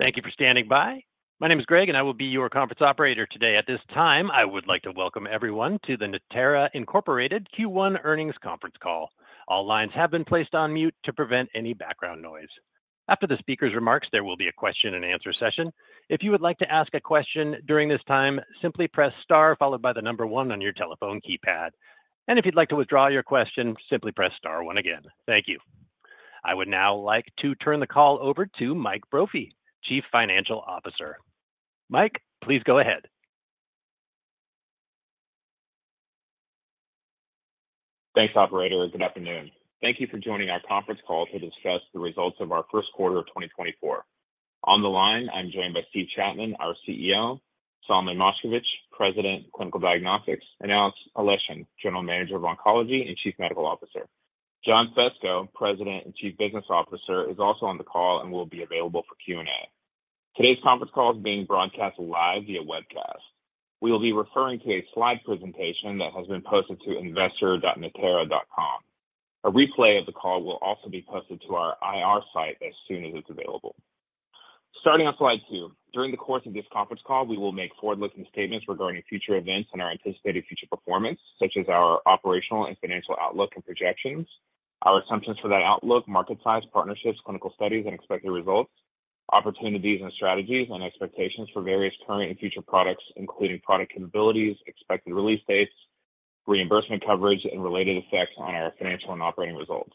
Thank you for standing by. My name is Greg, and I will be your conference operator today. At this time, I would like to welcome everyone to the Natera Incorporated Q1 Earnings Conference Call. All lines have been placed on mute to prevent any background noise. After the speaker's remarks, there will be a question-and-answer session. If you would like to ask a question during this time, simply press star followed by the number one on your telephone keypad. And if you'd like to withdraw your question, simply press star one again. Thank you. I would now like to turn the call over to Mike Brophy, Chief Financial Officer. Mike, please go ahead. Thanks, Operator. Good afternoon. Thank you for joining our conference call to discuss the results of our first quarter of 2024. On the line, I'm joined by Steve Chapman, our CEO, Solomon Moshkevich, President, Clinical Diagnostics, and Alexey Aleshin, General Manager of Oncology and Chief Medical Officer. John Fesko, President and Chief Business Officer, is also on the call and will be available for Q&A. Today's conference call is being broadcast live via webcast. We will be referring to a slide presentation that has been posted to investor.natera.com. A replay of the call will also be posted to our IR site as soon as it's available. Starting on slide 2, during the course of this conference call, we will make forward-looking statements regarding future events and our anticipated future performance, such as our operational and financial outlook and projections, our assumptions for that outlook, market size, partnerships, clinical studies, and expected results, opportunities and strategies, and expectations for various current and future products, including product capabilities, expected release dates, reimbursement coverage, and related effects on our financial and operating results.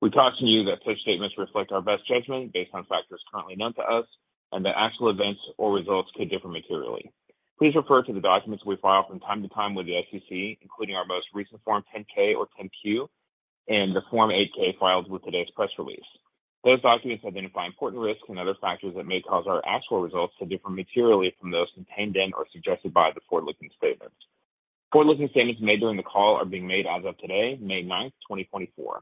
We caution you that such statements reflect our best judgment based on factors currently known to us and that actual events or results could differ materially. Please refer to the documents we file from time to time with the SEC, including our most recent Form 10-K or 10-Q and the Form 8-K filed with today's press release. Those documents identify important risks and other factors that may cause our actual results to differ materially from those contained in or suggested by the forward-looking statements. Forward-looking statements made during the call are being made as of today, May 9, 2024.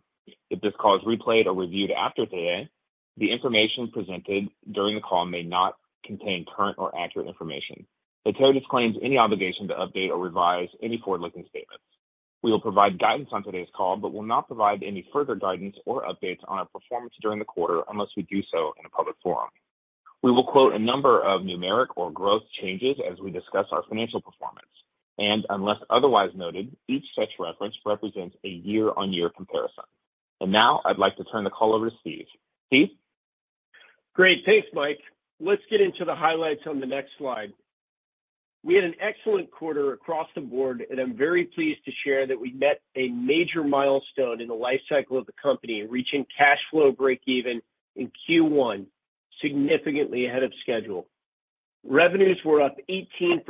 If this call is replayed or reviewed after today, the information presented during the call may not contain current or accurate information. Natera disclaims any obligation to update or revise any forward-looking statements. We will provide guidance on today's call but will not provide any further guidance or updates on our performance during the quarter unless we do so in a public forum. We will quote a number of numeric or growth changes as we discuss our financial performance, and unless otherwise noted, each such reference represents a year-on-year comparison. Now I'd like to turn the call over to Steve. Steve? Great. Thanks, Mike. Let's get into the highlights on the next slide. We had an excellent quarter across the board, and I'm very pleased to share that we met a major milestone in the lifecycle of the company, reaching cash flow break-even in Q1 significantly ahead of schedule. Revenues were up 18%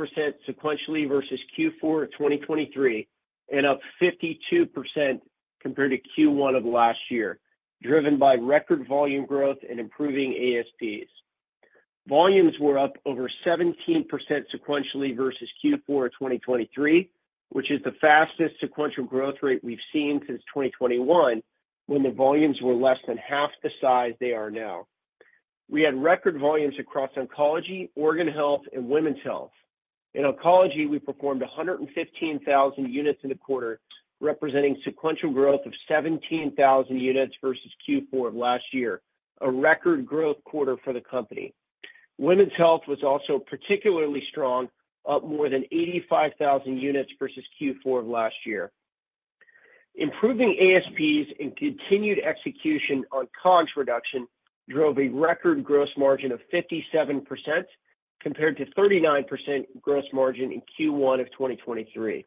sequentially versus Q4 of 2023 and up 52% compared to Q1 of last year, driven by record volume growth and improving ASPs. Volumes were up over 17% sequentially versus Q4 of 2023, which is the fastest sequential growth rate we've seen since 2021 when the volumes were less than half the size they are now. We had record volumes across oncology, organ health, and women's health. In oncology, we performed 115,000 units in the quarter, representing sequential growth of 17,000 units versus Q4 of last year, a record growth quarter for the company. Women's health was also particularly strong, up more than 85,000 units versus Q4 of last year. Improving ASPs and continued execution on COGS reduction drove a record gross margin of 57% compared to 39% gross margin in Q1 of 2023.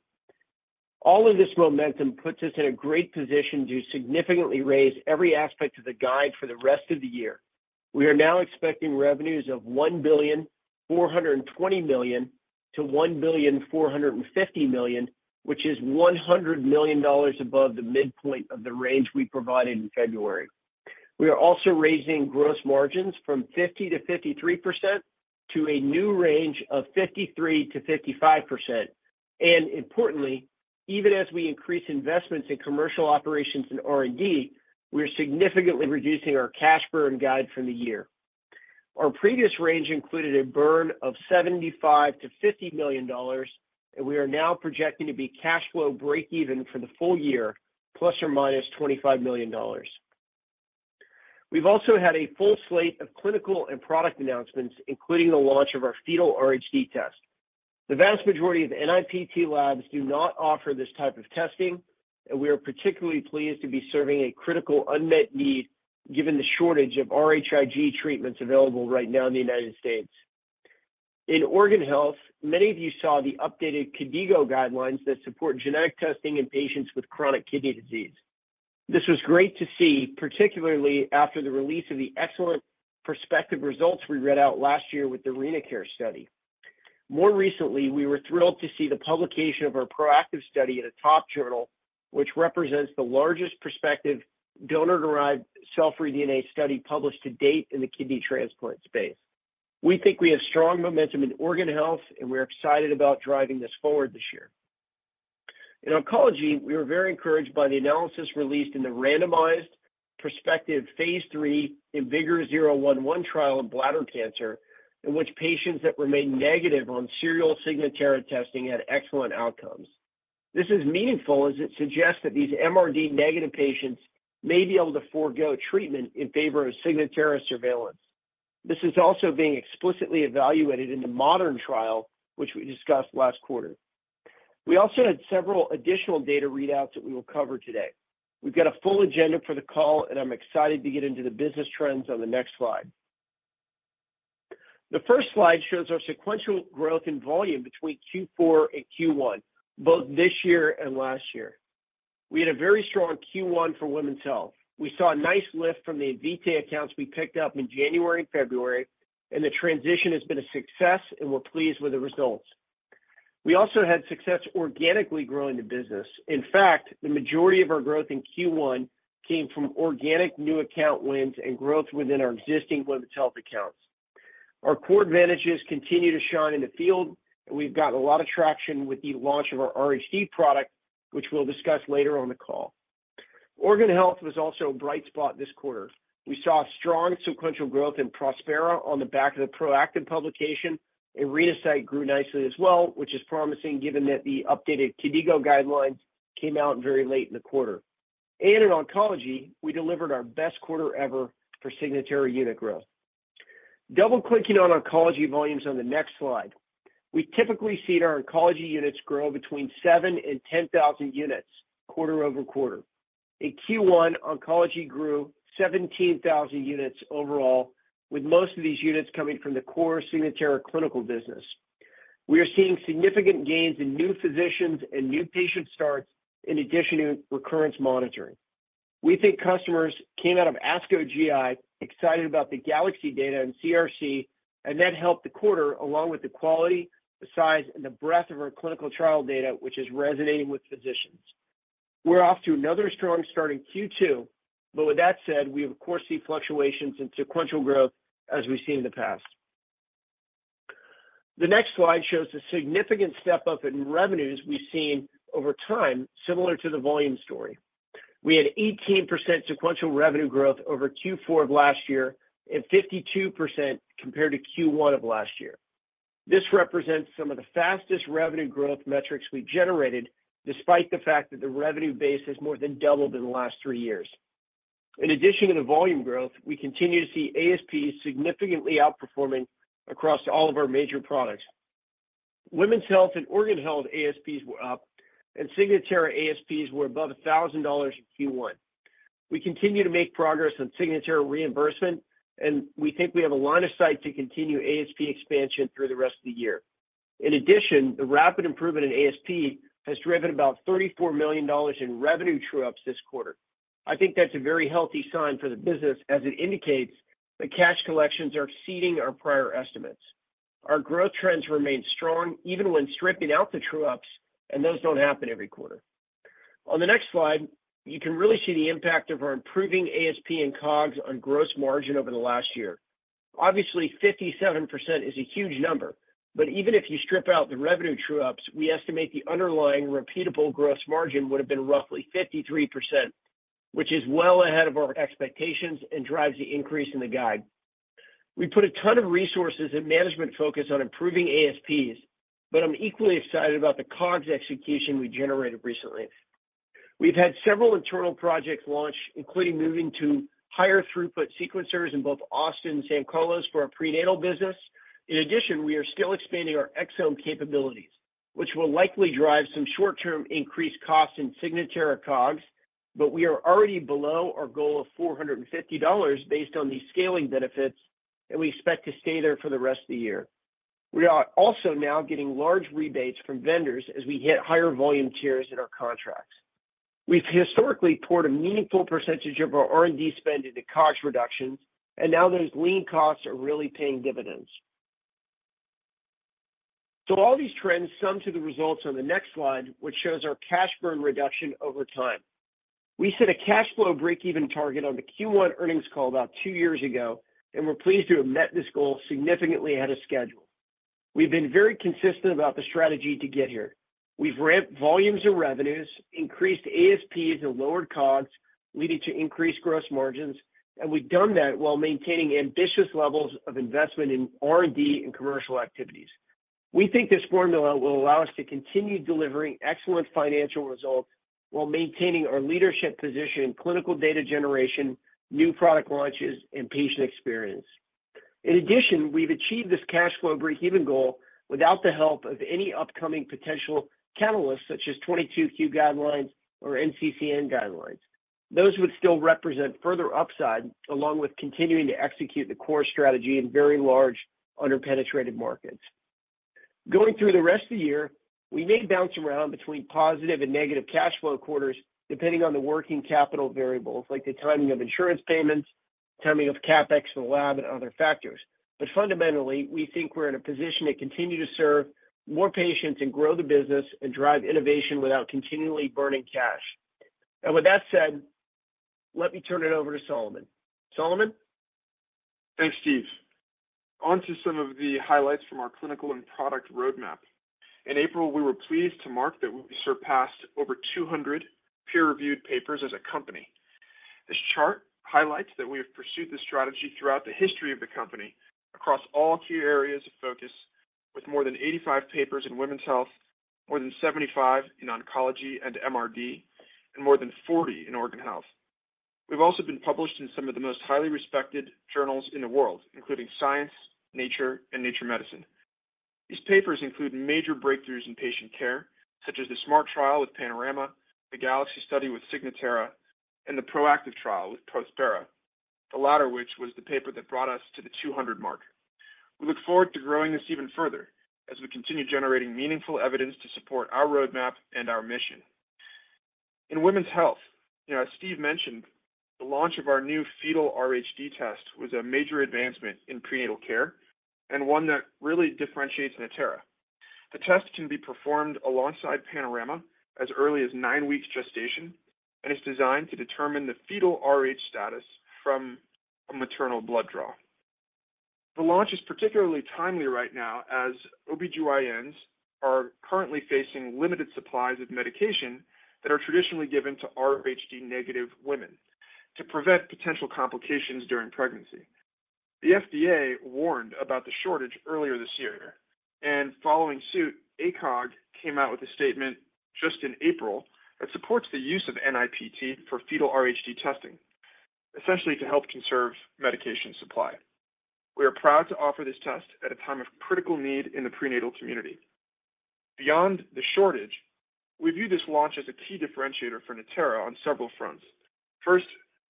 All of this momentum puts us in a great position to significantly raise every aspect of the guide for the rest of the year. We are now expecting revenues of $1,420 million-$1,450 million, which is $100 million above the midpoint of the range we provided in February. We are also raising gross margin from 50%-53% to a new range of 53%-55%. Importantly, even as we increase investments in commercial operations and R&D, we are significantly reducing our cash burn guide from the year. Our previous range included a burn of $75-$50 million, and we are now projecting to be cash flow break-even for the full year, ±$25 million. We've also had a full slate of clinical and product announcements, including the launch of our fetal RhD test. The vast majority of NIPT labs do not offer this type of testing, and we are particularly pleased to be serving a critical unmet need given the shortage of RhIg treatments available right now in the United States. In organ health, many of you saw the updated KDIGO guidelines that support genetic testing in patients with chronic kidney disease. This was great to see, particularly after the release of the excellent prospective results we read out last year with the RenaCARE study. More recently, we were thrilled to see the publication of our ProActive study in a top journal, which represents the largest prospective donor-derived cell-free DNA study published to date in the kidney transplant space. We think we have strong momentum in organ health, and we're excited about driving this forward this year. In oncology, we were very encouraged by the analysis released in the randomized prospective phase III IMvigor011 trial of bladder cancer, in which patients that remained negative on serial Signatera testing had excellent outcomes. This is meaningful as it suggests that these MRD-negative patients may be able to forego treatment in favor of Signatera surveillance. This is also being explicitly evaluated in the MODERN trial, which we discussed last quarter. We also had several additional data readouts that we will cover today. We've got a full agenda for the call, and I'm excited to get into the business trends on the next slide. The first slide shows our sequential growth in volume between Q4 and Q1, both this year and last year. We had a very strong Q1 for women's health. We saw a nice lift from the Invitae accounts we picked up in January and February, and the transition has been a success, and we're pleased with the results. We also had success organically growing the business. In fact, the majority of our growth in Q1 came from organic new account wins and growth within our existing women's health accounts. Our core advantages continue to shine in the field, and we've gotten a lot of traction with the launch of our RhD product, which we'll discuss later on the call. Organ health was also a bright spot this quarter. We saw strong sequential growth in Prospera on the back of the ProActive publication, and Renasight grew nicely as well, which is promising given that the updated KDIGO guidelines came out very late in the quarter. In oncology, we delivered our best quarter ever for Signatera unit growth. Double-clicking on oncology volumes on the next slide, we typically see our oncology units grow between 7,000 and 10,000 units quarter over quarter. In Q1, oncology grew 17,000 units overall, with most of these units coming from the core Signatera clinical business. We are seeing significant gains in new physicians and new patient starts in addition to recurrence monitoring. We think customers came out of ASCO GI excited about the GALAXY data and CRC, and that helped the quarter along with the quality, the size, and the breadth of our clinical trial data, which is resonating with physicians. We're off to another strong start in Q2, but with that said, we, of course, see fluctuations in sequential growth as we've seen in the past. The next slide shows the significant step up in revenues we've seen over time, similar to the volume story. We had 18% sequential revenue growth over Q4 of last year and 52% compared to Q1 of last year. This represents some of the fastest revenue growth metrics we generated, despite the fact that the revenue base has more than doubled in the last three years. In addition to the volume growth, we continue to see ASPs significantly outperforming across all of our major products. Women's health and organ health ASPs were up, and Signatera ASPs were above $1,000 in Q1. We continue to make progress on Signatera reimbursement, and we think we have a line of sight to continue ASP expansion through the rest of the year. In addition, the rapid improvement in ASP has driven about $34 million in revenue true-ups this quarter. I think that's a very healthy sign for the business as it indicates that cash collections are exceeding our prior estimates. Our growth trends remain strong even when stripping out the true-ups, and those don't happen every quarter. On the next slide, you can really see the impact of our improving ASP and COGS on gross margin over the last year. Obviously, 57% is a huge number, but even if you strip out the revenue true-ups, we estimate the underlying repeatable gross margin would have been roughly 53%, which is well ahead of our expectations and drives the increase in the guide. We put a ton of resources and management focus on improving ASPs, but I'm equally excited about the COGS execution we generated recently. We've had several internal projects launched, including moving to higher throughput sequencers in both Austin and San Carlos for our prenatal business. In addition, we are still expanding our exome capabilities, which will likely drive some short-term increased costs in Signatera COGS, but we are already below our goal of $450 based on the scaling benefits, and we expect to stay there for the rest of the year. We are also now getting large rebates from vendors as we hit higher volume tiers in our contracts. We've historically poured a meaningful percentage of our R&D spend into COGS reductions, and now those lean costs are really paying dividends. So all these trends sum to the results on the next slide, which shows our cash burn reduction over time. We set a cash flow break-even target on the Q1 earnings call about two years ago, and we're pleased to have met this goal significantly ahead of schedule. We've been very consistent about the strategy to get here. We've ramped volumes and revenues, increased ASPs, and lowered COGS, leading to increased gross margins, and we've done that while maintaining ambitious levels of investment in R&D and commercial activities. We think this formula will allow us to continue delivering excellent financial results while maintaining our leadership position in clinical data generation, new product launches, and patient experience. In addition, we've achieved this cash flow break-even goal without the help of any upcoming potential catalysts such as 22q guidelines or NCCN guidelines. Those would still represent further upside along with continuing to execute the core strategy in very large underpenetrated markets. Going through the rest of the year, we may bounce around between positive and negative cash flow quarters depending on the working capital variables like the timing of insurance payments, timing of CapEx for the lab, and other factors. But fundamentally, we think we're in a position to continue to serve more patients and grow the business and drive innovation without continually burning cash. And with that said, let me turn it over to Solomon. Solomon? Thanks, Steve. Onto some of the highlights from our clinical and product roadmap. In April, we were pleased to mark that we surpassed over 200 peer-reviewed papers as a company. This chart highlights that we have pursued this strategy throughout the history of the company across all key areas of focus, with more than 85 papers in women's health, more than 75 in oncology and MRD, and more than 40 in organ health. We've also been published in some of the most highly respected journals in the world, including Science, Nature, and Nature Medicine. These papers include major breakthroughs in patient care such as the SMART Trial with Panorama, the GALAXY study with Signatera, and the ProActive Study with Prospera, the latter which was the paper that brought us to the 200 mark. We look forward to growing this even further as we continue generating meaningful evidence to support our roadmap and our mission. In women's health, as Steve mentioned, the launch of our new fetal RhD test was a major advancement in prenatal care and one that really differentiates Natera. The test can be performed alongside Panorama as early as nine weeks gestation, and it's designed to determine the fetal RhD status from a maternal blood draw. The launch is particularly timely right now as OB-GYNs are currently facing limited supplies of medication that are traditionally given to RhD-negative women to prevent potential complications during pregnancy. The FDA warned about the shortage earlier this year, and following suit, ACOG came out with a statement just in April that supports the use of NIPT for fetal RhD testing, essentially to help conserve medication supply. We are proud to offer this test at a time of critical need in the prenatal community. Beyond the shortage, we view this launch as a key differentiator for Natera on several fronts. First,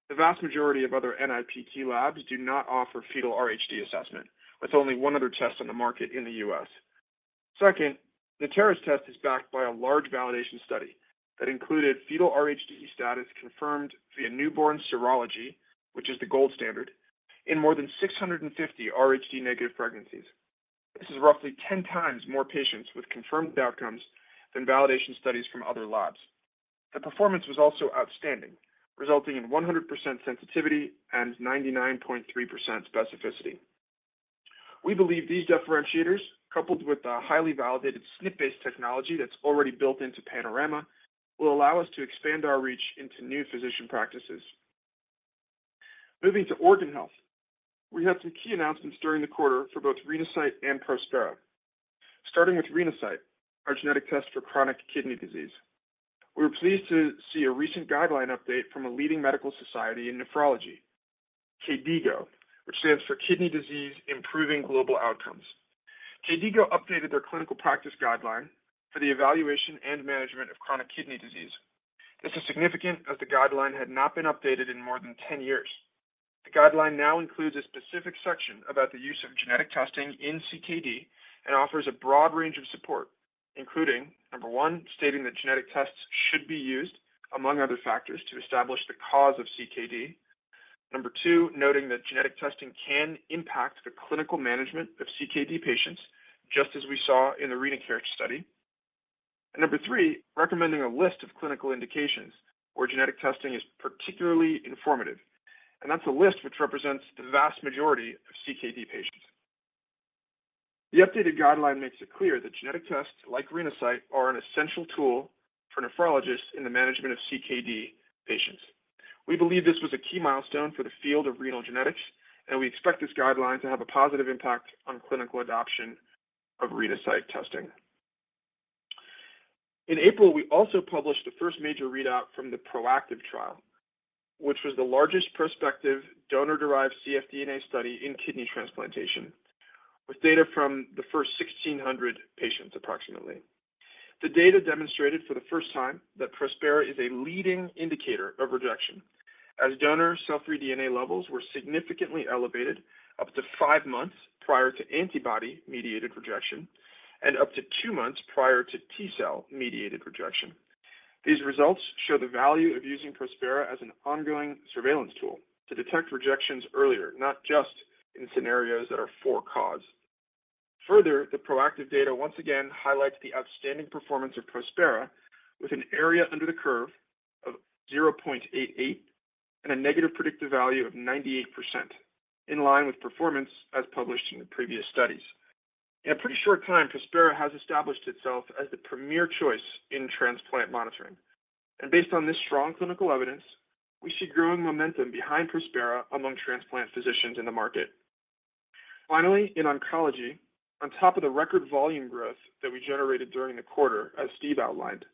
the vast majority of other NIPT labs do not offer fetal RhD assessment. That's only one other test on the market in the U.S. Second, Natera's test is backed by a large validation study that included fetal RhD status confirmed via newborn serology, which is the gold standard, in more than 650 RhD-negative pregnancies. This is roughly 10 times more patients with confirmed outcomes than validation studies from other labs. The performance was also outstanding, resulting in 100% sensitivity and 99.3% specificity. We believe these differentiators, coupled with the highly validated SNP-based technology that's already built into Panorama, will allow us to expand our reach into new physician practices. Moving to organ health, we had some key announcements during the quarter for both Renasight and Prospera. Starting with Renasight, our genetic test for chronic kidney disease. We were pleased to see a recent guideline update from a leading medical society in nephrology, KDIGO, which stands for Kidney Disease Improving Global Outcomes. KDIGO updated their clinical practice guideline for the evaluation and management of chronic kidney disease. This is significant as the guideline had not been updated in more than 10 years. The guideline now includes a specific section about the use of genetic testing in CKD and offers a broad range of support, including, number one, stating that genetic tests should be used, among other factors, to establish the cause of CKD. Number two, noting that genetic testing can impact the clinical management of CKD patients just as we saw in the Renasight study. And number three, recommending a list of clinical indications where genetic testing is particularly informative. That's a list which represents the vast majority of CKD patients. The updated guideline makes it clear that genetic tests like Renasight are an essential tool for nephrologists in the management of CKD patients. We believe this was a key milestone for the field of renal genetics, and we expect this guideline to have a positive impact on clinical adoption of Renasight testing. In April, we also published the first major readout from the ProActive trial, which was the largest prospective donor-derived cfDNA study in kidney transplantation, with data from the first 1,600 patients approximately. The data demonstrated for the first time that Prospera is a leading indicator of rejection as donor-derived cell-free DNA levels were significantly elevated up to five months prior to antibody-mediated rejection and up to two months prior to T-cell-mediated rejection. These results show the value of using Prospera as an ongoing surveillance tool to detect rejections earlier, not just in scenarios that are for cause. Further, the ProActive data once again highlights the outstanding performance of Prospera with an area under the curve of 0.88 and a negative predictive value of 98%, in line with performance as published in previous studies. In a pretty short time, Prospera has established itself as the premier choice in transplant monitoring. And based on this strong clinical evidence, we see growing momentum behind Prospera among transplant physicians in the market. Finally, in oncology, on top of the record volume growth that we generated during the quarter, as Steve outlined,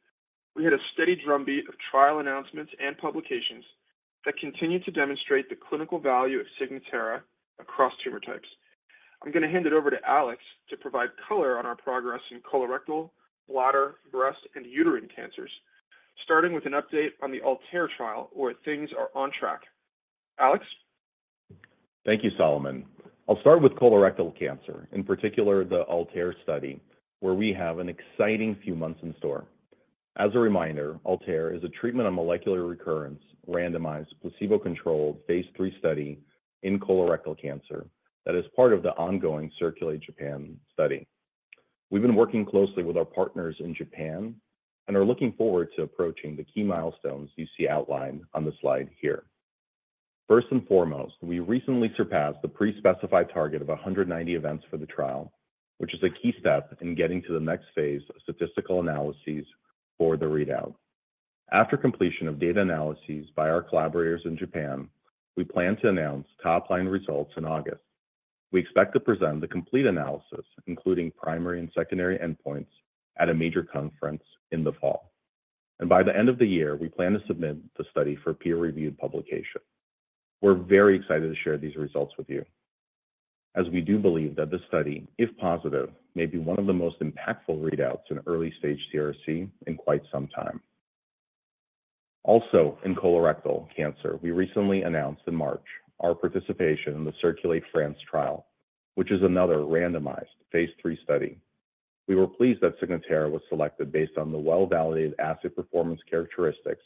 we had a steady drumbeat of trial announcements and publications that continue to demonstrate the clinical value of Signatera across tumor types. I'm going to hand it over to Alex to provide color on our progress in colorectal, bladder, breast, and uterine cancers, starting with an update on the ALTAIR trial where things are on track. Alex? Thank you, Solomon. I'll start with colorectal cancer, in particular the ALTAIR study, where we have an exciting few months in store. As a reminder, ALTAIR is a treatment of molecular recurrence, randomized, placebo-controlled, phase III study in colorectal cancer that is part of the ongoing CIRCULATE Japan study. We've been working closely with our partners in Japan and are looking forward to approaching the key milestones you see outlined on the slide here. First and foremost, we recently surpassed the pre-specified target of 190 events for the trial, which is a key step in getting to the next phase of statistical analyses for the readout. After completion of data analyses by our collaborators in Japan, we plan to announce top-line results in August. We expect to present the complete analysis, including primary and secondary endpoints, at a major conference in the fall. By the end of the year, we plan to submit the study for peer-reviewed publication. We're very excited to share these results with you as we do believe that this study, if positive, may be one of the most impactful readouts in early-stage CRC in quite some time. Also, in colorectal cancer, we recently announced in March our participation in the CIRCULATE France trial, which is another randomized, phase III study. We were pleased that Signatera was selected based on the well-validated asset performance characteristics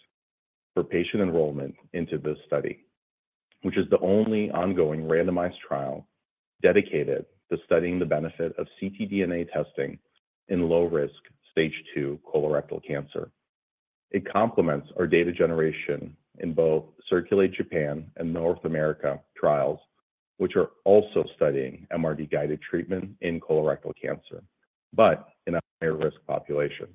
for patient enrollment into this study, which is the only ongoing randomized trial dedicated to studying the benefit of ctDNA testing in low-risk stage II colorectal cancer. It complements our data generation in both CIRCULATE Japan and North America trials, which are also studying MRD-guided treatment in colorectal cancer but in a higher-risk population.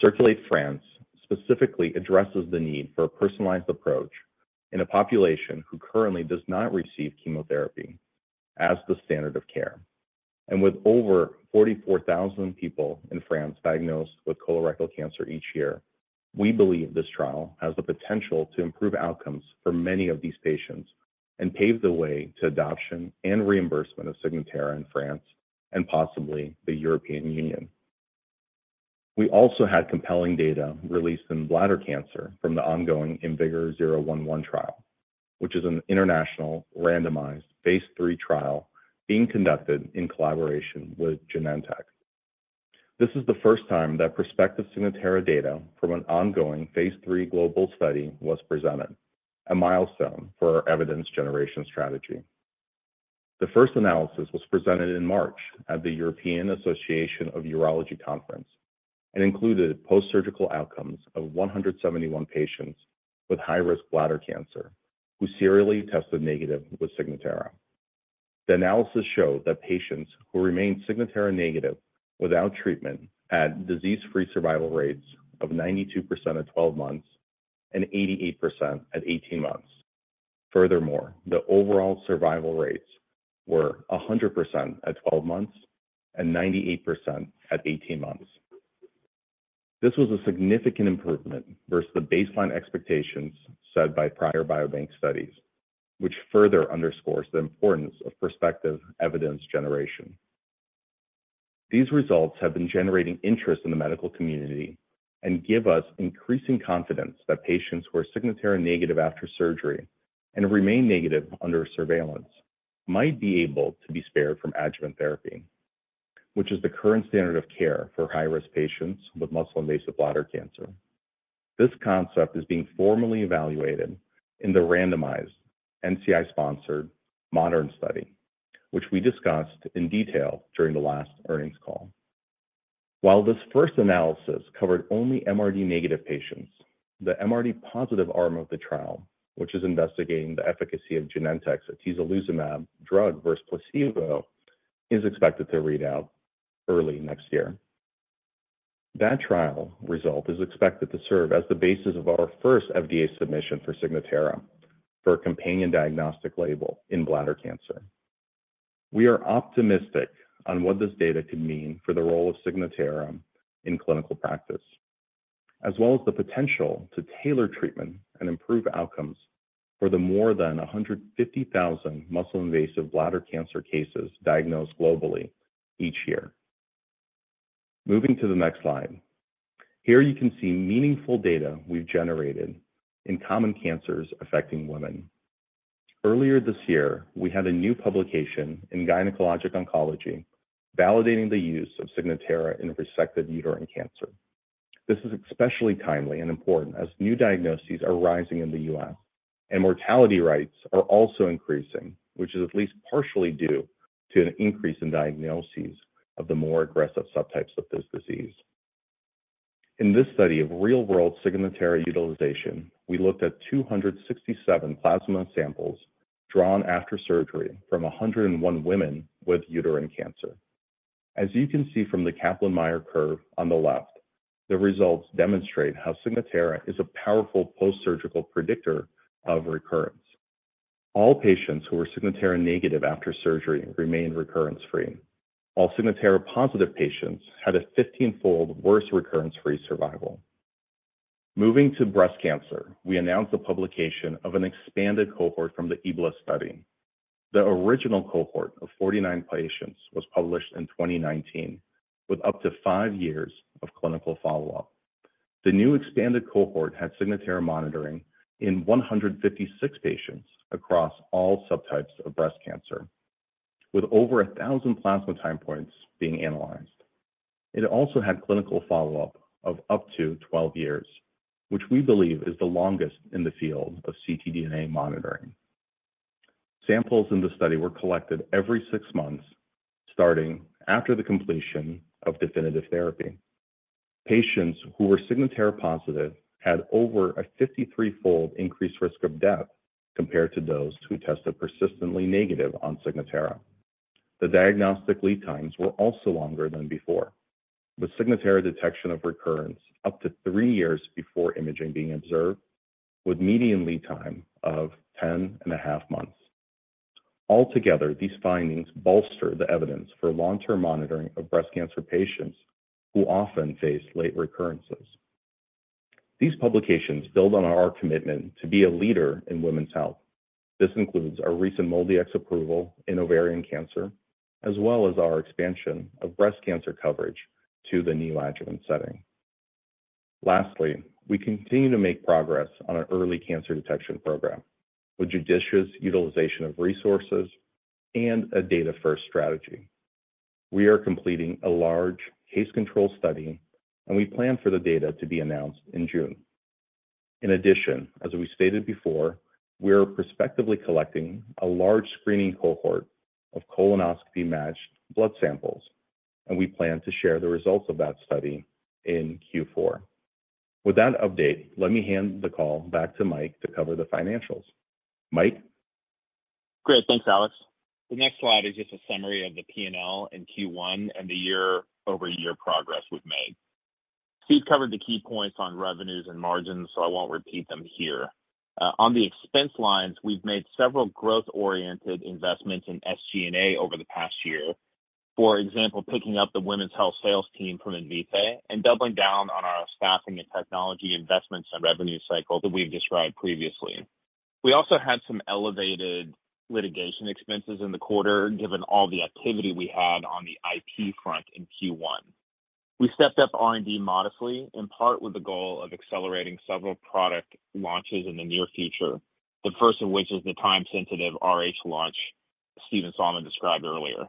CIRCULATE France specifically addresses the need for a personalized approach in a population who currently does not receive chemotherapy as the standard of care. With over 44,000 people in France diagnosed with colorectal cancer each year, we believe this trial has the potential to improve outcomes for many of these patients and pave the way to adoption and reimbursement of Signatera in France and possibly the European Union. We also had compelling data released in bladder cancer from the ongoing IMvigor011 trial, which is an international randomized, phase III trial being conducted in collaboration with Genentech. This is the first time that prospective Signatera data from an ongoing phase III global study was presented, a milestone for our evidence generation strategy. The first analysis was presented in March at the European Association of Urology Conference and included post-surgical outcomes of 171 patients with high-risk bladder cancer who serially tested negative with Signatera. The analysis showed that patients who remained Signatera negative without treatment had disease-free survival rates of 92% at 12 months and 88% at 18 months. Furthermore, the overall survival rates were 100% at 12 months and 98% at 18 months. This was a significant improvement versus the baseline expectations set by prior biobank studies, which further underscores the importance of prospective evidence generation. These results have been generating interest in the medical community and give us increasing confidence that patients who are Signatera negative after surgery and remain negative under surveillance might be able to be spared from adjuvant therapy, which is the current standard of care for high-risk patients with muscle-invasive bladder cancer. This concept is being formally evaluated in the randomized, NCI-sponsored, MODERN study, which we discussed in detail during the last earnings call. While this first analysis covered only MRD-negative patients, the MRD-positive arm of the trial, which is investigating the efficacy of Genentech's atezolizumab drug versus placebo, is expected to read out early next year. That trial result is expected to serve as the basis of our first FDA submission for Signatera for a companion diagnostic label in bladder cancer. We are optimistic on what this data could mean for the role of Signatera in clinical practice, as well as the potential to tailor treatment and improve outcomes for the more than 150,000 muscle-invasive bladder cancer cases diagnosed globally each year. Moving to the next slide, here you can see meaningful data we've generated in common cancers affecting women. Earlier this year, we had a new publication in Gynecologic Oncology validating the use of Signatera in resected uterine cancer. This is especially timely and important as new diagnoses are rising in the U.S., and mortality rates are also increasing, which is at least partially due to an increase in diagnoses of the more aggressive subtypes of this disease. In this study of real-world Signatera utilization, we looked at 267 plasma samples drawn after surgery from 101 women with uterine cancer. As you can see from the Kaplan-Meier curve on the left, the results demonstrate how Signatera is a powerful post-surgical predictor of recurrence. All patients who were Signatera negative after surgery remained recurrence-free. All Signatera-positive patients had a 15-fold worse recurrence-free survival. Moving to breast cancer, we announced the publication of an expanded cohort from the EBC study. The original cohort of 49 patients was published in 2019 with up to five years of clinical follow-up. The new expanded cohort had Signatera monitoring in 156 patients across all subtypes of breast cancer, with over 1,000 plasma time points being analyzed. It also had clinical follow-up of up to 12 years, which we believe is the longest in the field of ctDNA monitoring. Samples in the study were collected every six months, starting after the completion of definitive therapy. Patients who were Signatera-positive had over a 53-fold increased risk of death compared to those who tested persistently negative on Signatera. The diagnostic lead times were also longer than before, with Signatera detection of recurrence up to three years before imaging being observed, with median lead time of 10 and a half months. Altogether, these findings bolster the evidence for long-term monitoring of breast cancer patients who often face late recurrences. These publications build on our commitment to be a leader in women's health. This includes our recent MolDX approval in ovarian cancer, as well as our expansion of breast cancer coverage to the neoadjuvant setting. Lastly, we continue to make progress on an early cancer detection program with judicious utilization of resources and a data-first strategy. We are completing a large case-control study, and we plan for the data to be announced in June. In addition, as we stated before, we are prospectively collecting a large screening cohort of colonoscopy-matched blood samples, and we plan to share the results of that study in Q4. With that update, let me hand the call back to Mike to cover the financials. Mike? Great. Thanks, Alex. The next slide is just a summary of the P&L in Q1 and the year-over-year progress we've made. Steve covered the key points on revenues and margins, so I won't repeat them here. On the expense lines, we've made several growth-oriented investments in SG&A over the past year, for example, picking up the women's health sales team from Invitae and doubling down on our staffing and technology investments and revenue cycle that we've described previously. We also had some elevated litigation expenses in the quarter given all the activity we had on the IT front in Q1. We stepped up R&D modestly, in part with the goal of accelerating several product launches in the near future, the first of which is the time-sensitive Rh launch Steve and Solomon described earlier.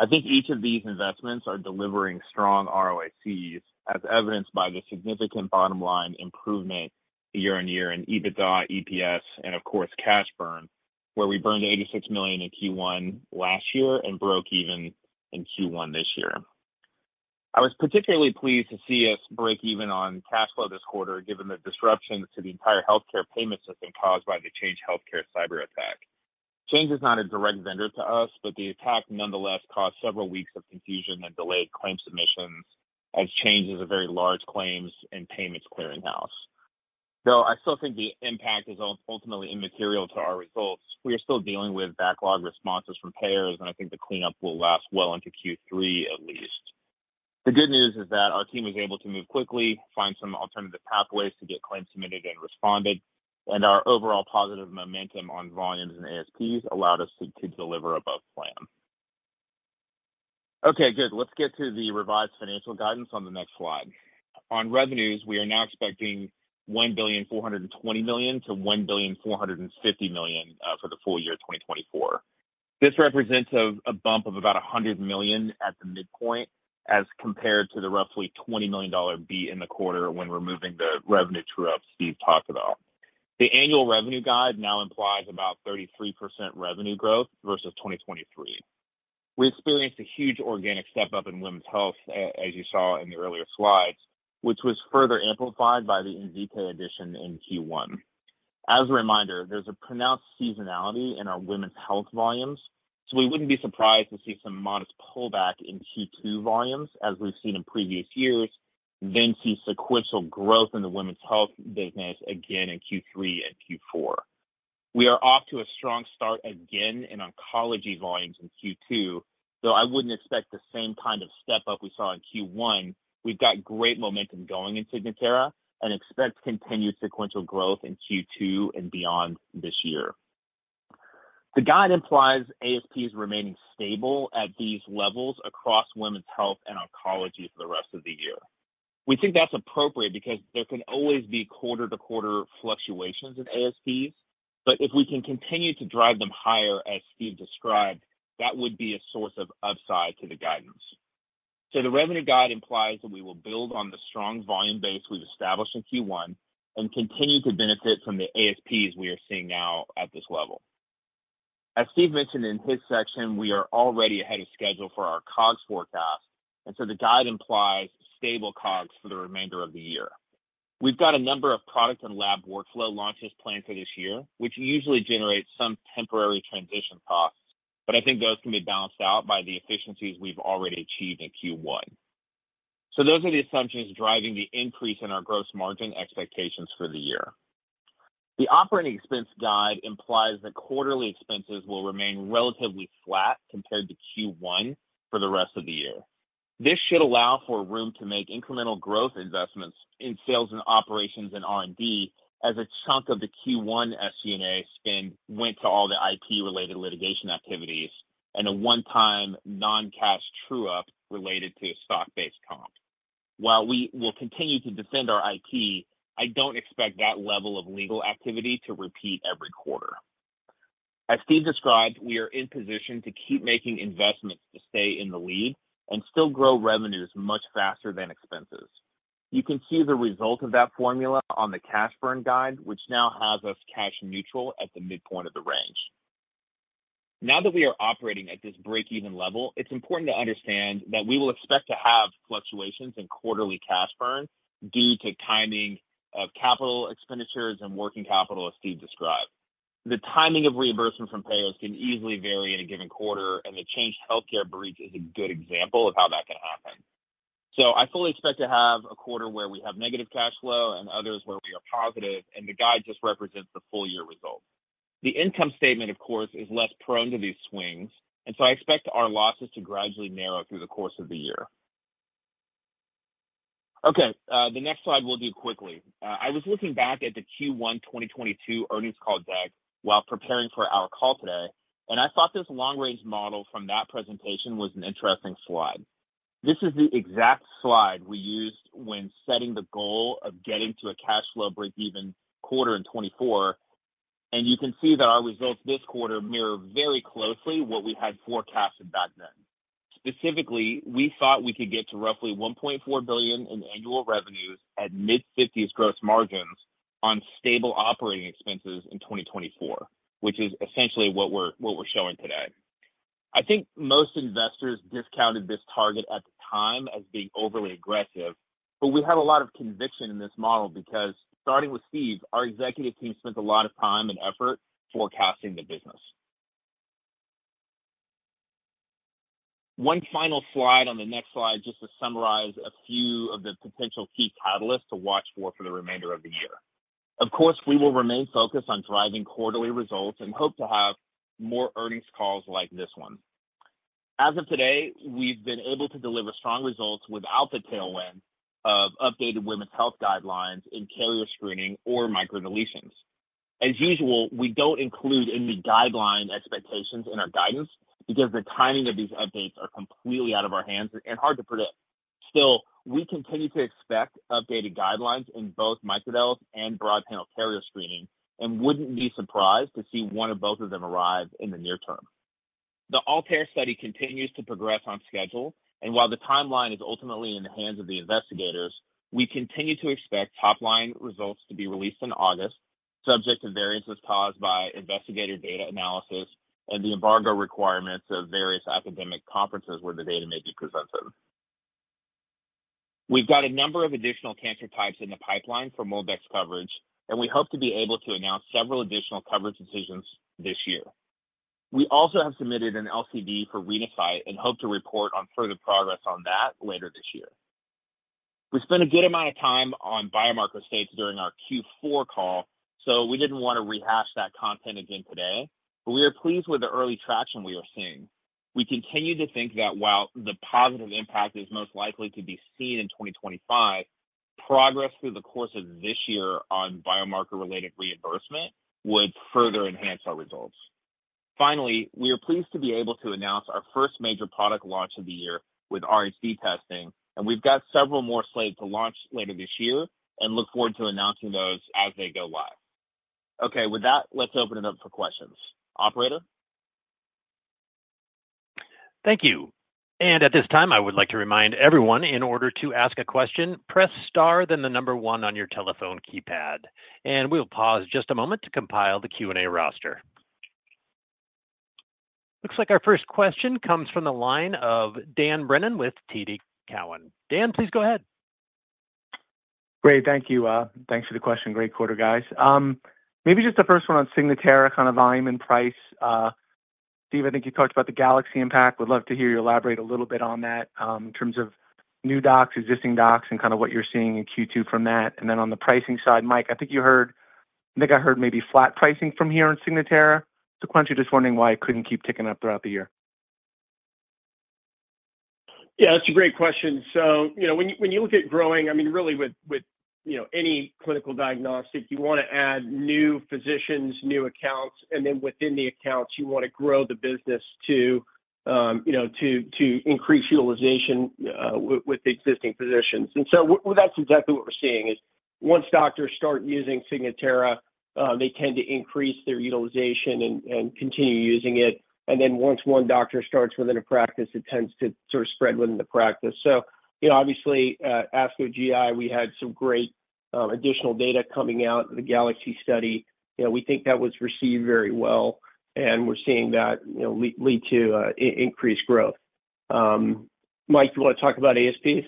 I think each of these investments are delivering strong ROICs, as evidenced by the significant bottom-line improvement year-on-year in EBITDA, EPS, and, of course, cash burn, where we burned $86 million in Q1 last year and broke even in Q1 this year. I was particularly pleased to see us break even on cash flow this quarter given the disruptions to the entire healthcare payment system caused by the Change Healthcare cyberattack. Change is not a direct vendor to us, but the attack nonetheless caused several weeks of confusion and delayed claim submissions as Change is a very large claims and payments clearinghouse. Though I still think the impact is ultimately immaterial to our results, we are still dealing with backlog responses from payers, and I think the cleanup will last well into Q3, at least. The good news is that our team was able to move quickly, find some alternative pathways to get claims submitted and responded, and our overall positive momentum on volumes and ASPs allowed us to deliver above plan. Okay, good. Let's get to the revised financial guidance on the next slide. On revenues, we are now expecting $1.420 billion-$1.450 billion for the full year 2024. This represents a bump of about $100 million at the midpoint as compared to the roughly $20 million beat in the quarter when removing the revenue true-up Steve talked about. The annual revenue guide now implies about 33% revenue growth versus 2023. We experienced a huge organic step-up in women's health, as you saw in the earlier slides, which was further amplified by the Invitae addition in Q1. As a reminder, there's a pronounced seasonality in our women's health volumes, so we wouldn't be surprised to see some modest pullback in Q2 volumes as we've seen in previous years, then see sequential growth in the women's health business again in Q3 and Q4. We are off to a strong start again in oncology volumes in Q2, though I wouldn't expect the same kind of step-up we saw in Q1. We've got great momentum going in Signatera and expect continued sequential growth in Q2 and beyond this year. The guide implies ASPs remaining stable at these levels across women's health and oncology for the rest of the year. We think that's appropriate because there can always be quarter-to-quarter fluctuations in ASPs, but if we can continue to drive them higher, as Steve described, that would be a source of upside to the guidance. So the revenue guide implies that we will build on the strong volume base we've established in Q1 and continue to benefit from the ASPs we are seeing now at this level. As Steve mentioned in his section, we are already ahead of schedule for our COGS forecast, and so the guide implies stable COGS for the remainder of the year. We've got a number of product and lab workflow launches planned for this year, which usually generate some temporary transition costs, but I think those can be balanced out by the efficiencies we've already achieved in Q1. So those are the assumptions driving the increase in our gross margin expectations for the year. The operating expense guide implies that quarterly expenses will remain relatively flat compared to Q1 for the rest of the year. This should allow for room to make incremental growth investments in sales and operations and R&D as a chunk of the Q1 SG&A spend went to all the IP-related litigation activities and a one-time non-cash true-up related to stock-based comp. While we will continue to defend our IP, I don't expect that level of legal activity to repeat every quarter. As Steve described, we are in position to keep making investments to stay in the lead and still grow revenues much faster than expenses. You can see the result of that formula on the cash burn guide, which now has us cash neutral at the midpoint of the range. Now that we are operating at this break-even level, it's important to understand that we will expect to have fluctuations in quarterly cash burn due to timing of capital expenditures and working capital, as Steve described. The timing of reimbursement from payers can easily vary in a given quarter, and the Change Healthcare breach is a good example of how that can happen. So I fully expect to have a quarter where we have negative cash flow and others where we are positive, and the guide just represents the full-year result. The income statement, of course, is less prone to these swings, and so I expect our losses to gradually narrow through the course of the year. Okay, the next slide we'll do quickly. I was looking back at the Q1 2022 earnings call deck while preparing for our call today, and I thought this long-range model from that presentation was an interesting slide. This is the exact slide we used when setting the goal of getting to a cash flow break-even quarter in 2024, and you can see that our results this quarter mirror very closely what we had forecasted back then. Specifically, we thought we could get to roughly $1.4 billion in annual revenues at mid-50s% gross margins on stable operating expenses in 2024, which is essentially what we're showing today. I think most investors discounted this target at the time as being overly aggressive, but we have a lot of conviction in this model because, starting with Steve, our executive team spent a lot of time and effort forecasting the business. One final slide on the next slide just to summarize a few of the potential key catalysts to watch for the remainder of the year. Of course, we will remain focused on driving quarterly results and hope to have more earnings calls like this one. As of today, we've been able to deliver strong results without the tailwind of updated women's health guidelines in carrier screening or microdeletions. As usual, we don't include any guideline expectations in our guidance because the timing of these updates are completely out of our hands and hard to predict. Still, we continue to expect updated guidelines in both microdeletions and broad panel carrier screening and wouldn't be surprised to see one or both of them arrive in the near term. The ALTAIR study continues to progress on schedule, and while the timeline is ultimately in the hands of the investigators, we continue to expect top-line results to be released in August, subject to variances caused by investigator data analysis and the embargo requirements of various academic conferences where the data may be presented. We've got a number of additional cancer types in the pipeline for MolDX coverage, and we hope to be able to announce several additional coverage decisions this year. We also have submitted an LCD for Renasight and hope to report on further progress on that later this year. We spent a good amount of time on biomarker states during our Q4 call, so we didn't want to rehash that content again today, but we are pleased with the early traction we are seeing. We continue to think that while the positive impact is most likely to be seen in 2025, progress through the course of this year on biomarker-related reimbursement would further enhance our results. Finally, we are pleased to be able to announce our first major product launch of the year with RhD testing, and we've got several more slated to launch later this year and look forward to announcing those as they go live. Okay, with that, let's open it up for questions. Operator? Thank you. And at this time, I would like to remind everyone, in order to ask a question, press star then the number one on your telephone keypad, and we'll pause just a moment to compile the Q&A roster. Looks like our first question comes from the line of Dan Brennan with TD Cowen. Dan, please go ahead. Great. Thank you. Thanks for the question. Great quarter, guys. Maybe just the first one on Signatera, kind of volume and price. Steve, I think you talked about the Galaxy impact. Would love to hear you elaborate a little bit on that in terms of new docs, existing docs, and kind of what you're seeing in Q2 from that. And then on the pricing side, Mike, I think I heard maybe flat pricing from here on Signatera. Sequential, just wondering why it couldn't keep ticking up throughout the year. Yeah, that's a great question. So when you look at growing I mean, really, with any clinical diagnostic, you want to add new physicians, new accounts, and then within the accounts, you want to grow the business to increase utilization with the existing physicians. And so that's exactly what we're seeing, is once doctors start using Signatera, they tend to increase their utilization and continue using it. And then once one doctor starts within a practice, it tends to sort of spread within the practice. So obviously, ASCO GI, we had some great additional data coming out of the Galaxy study. We think that was received very well, and we're seeing that lead to increased growth. Mike, do you want to talk about ASPs?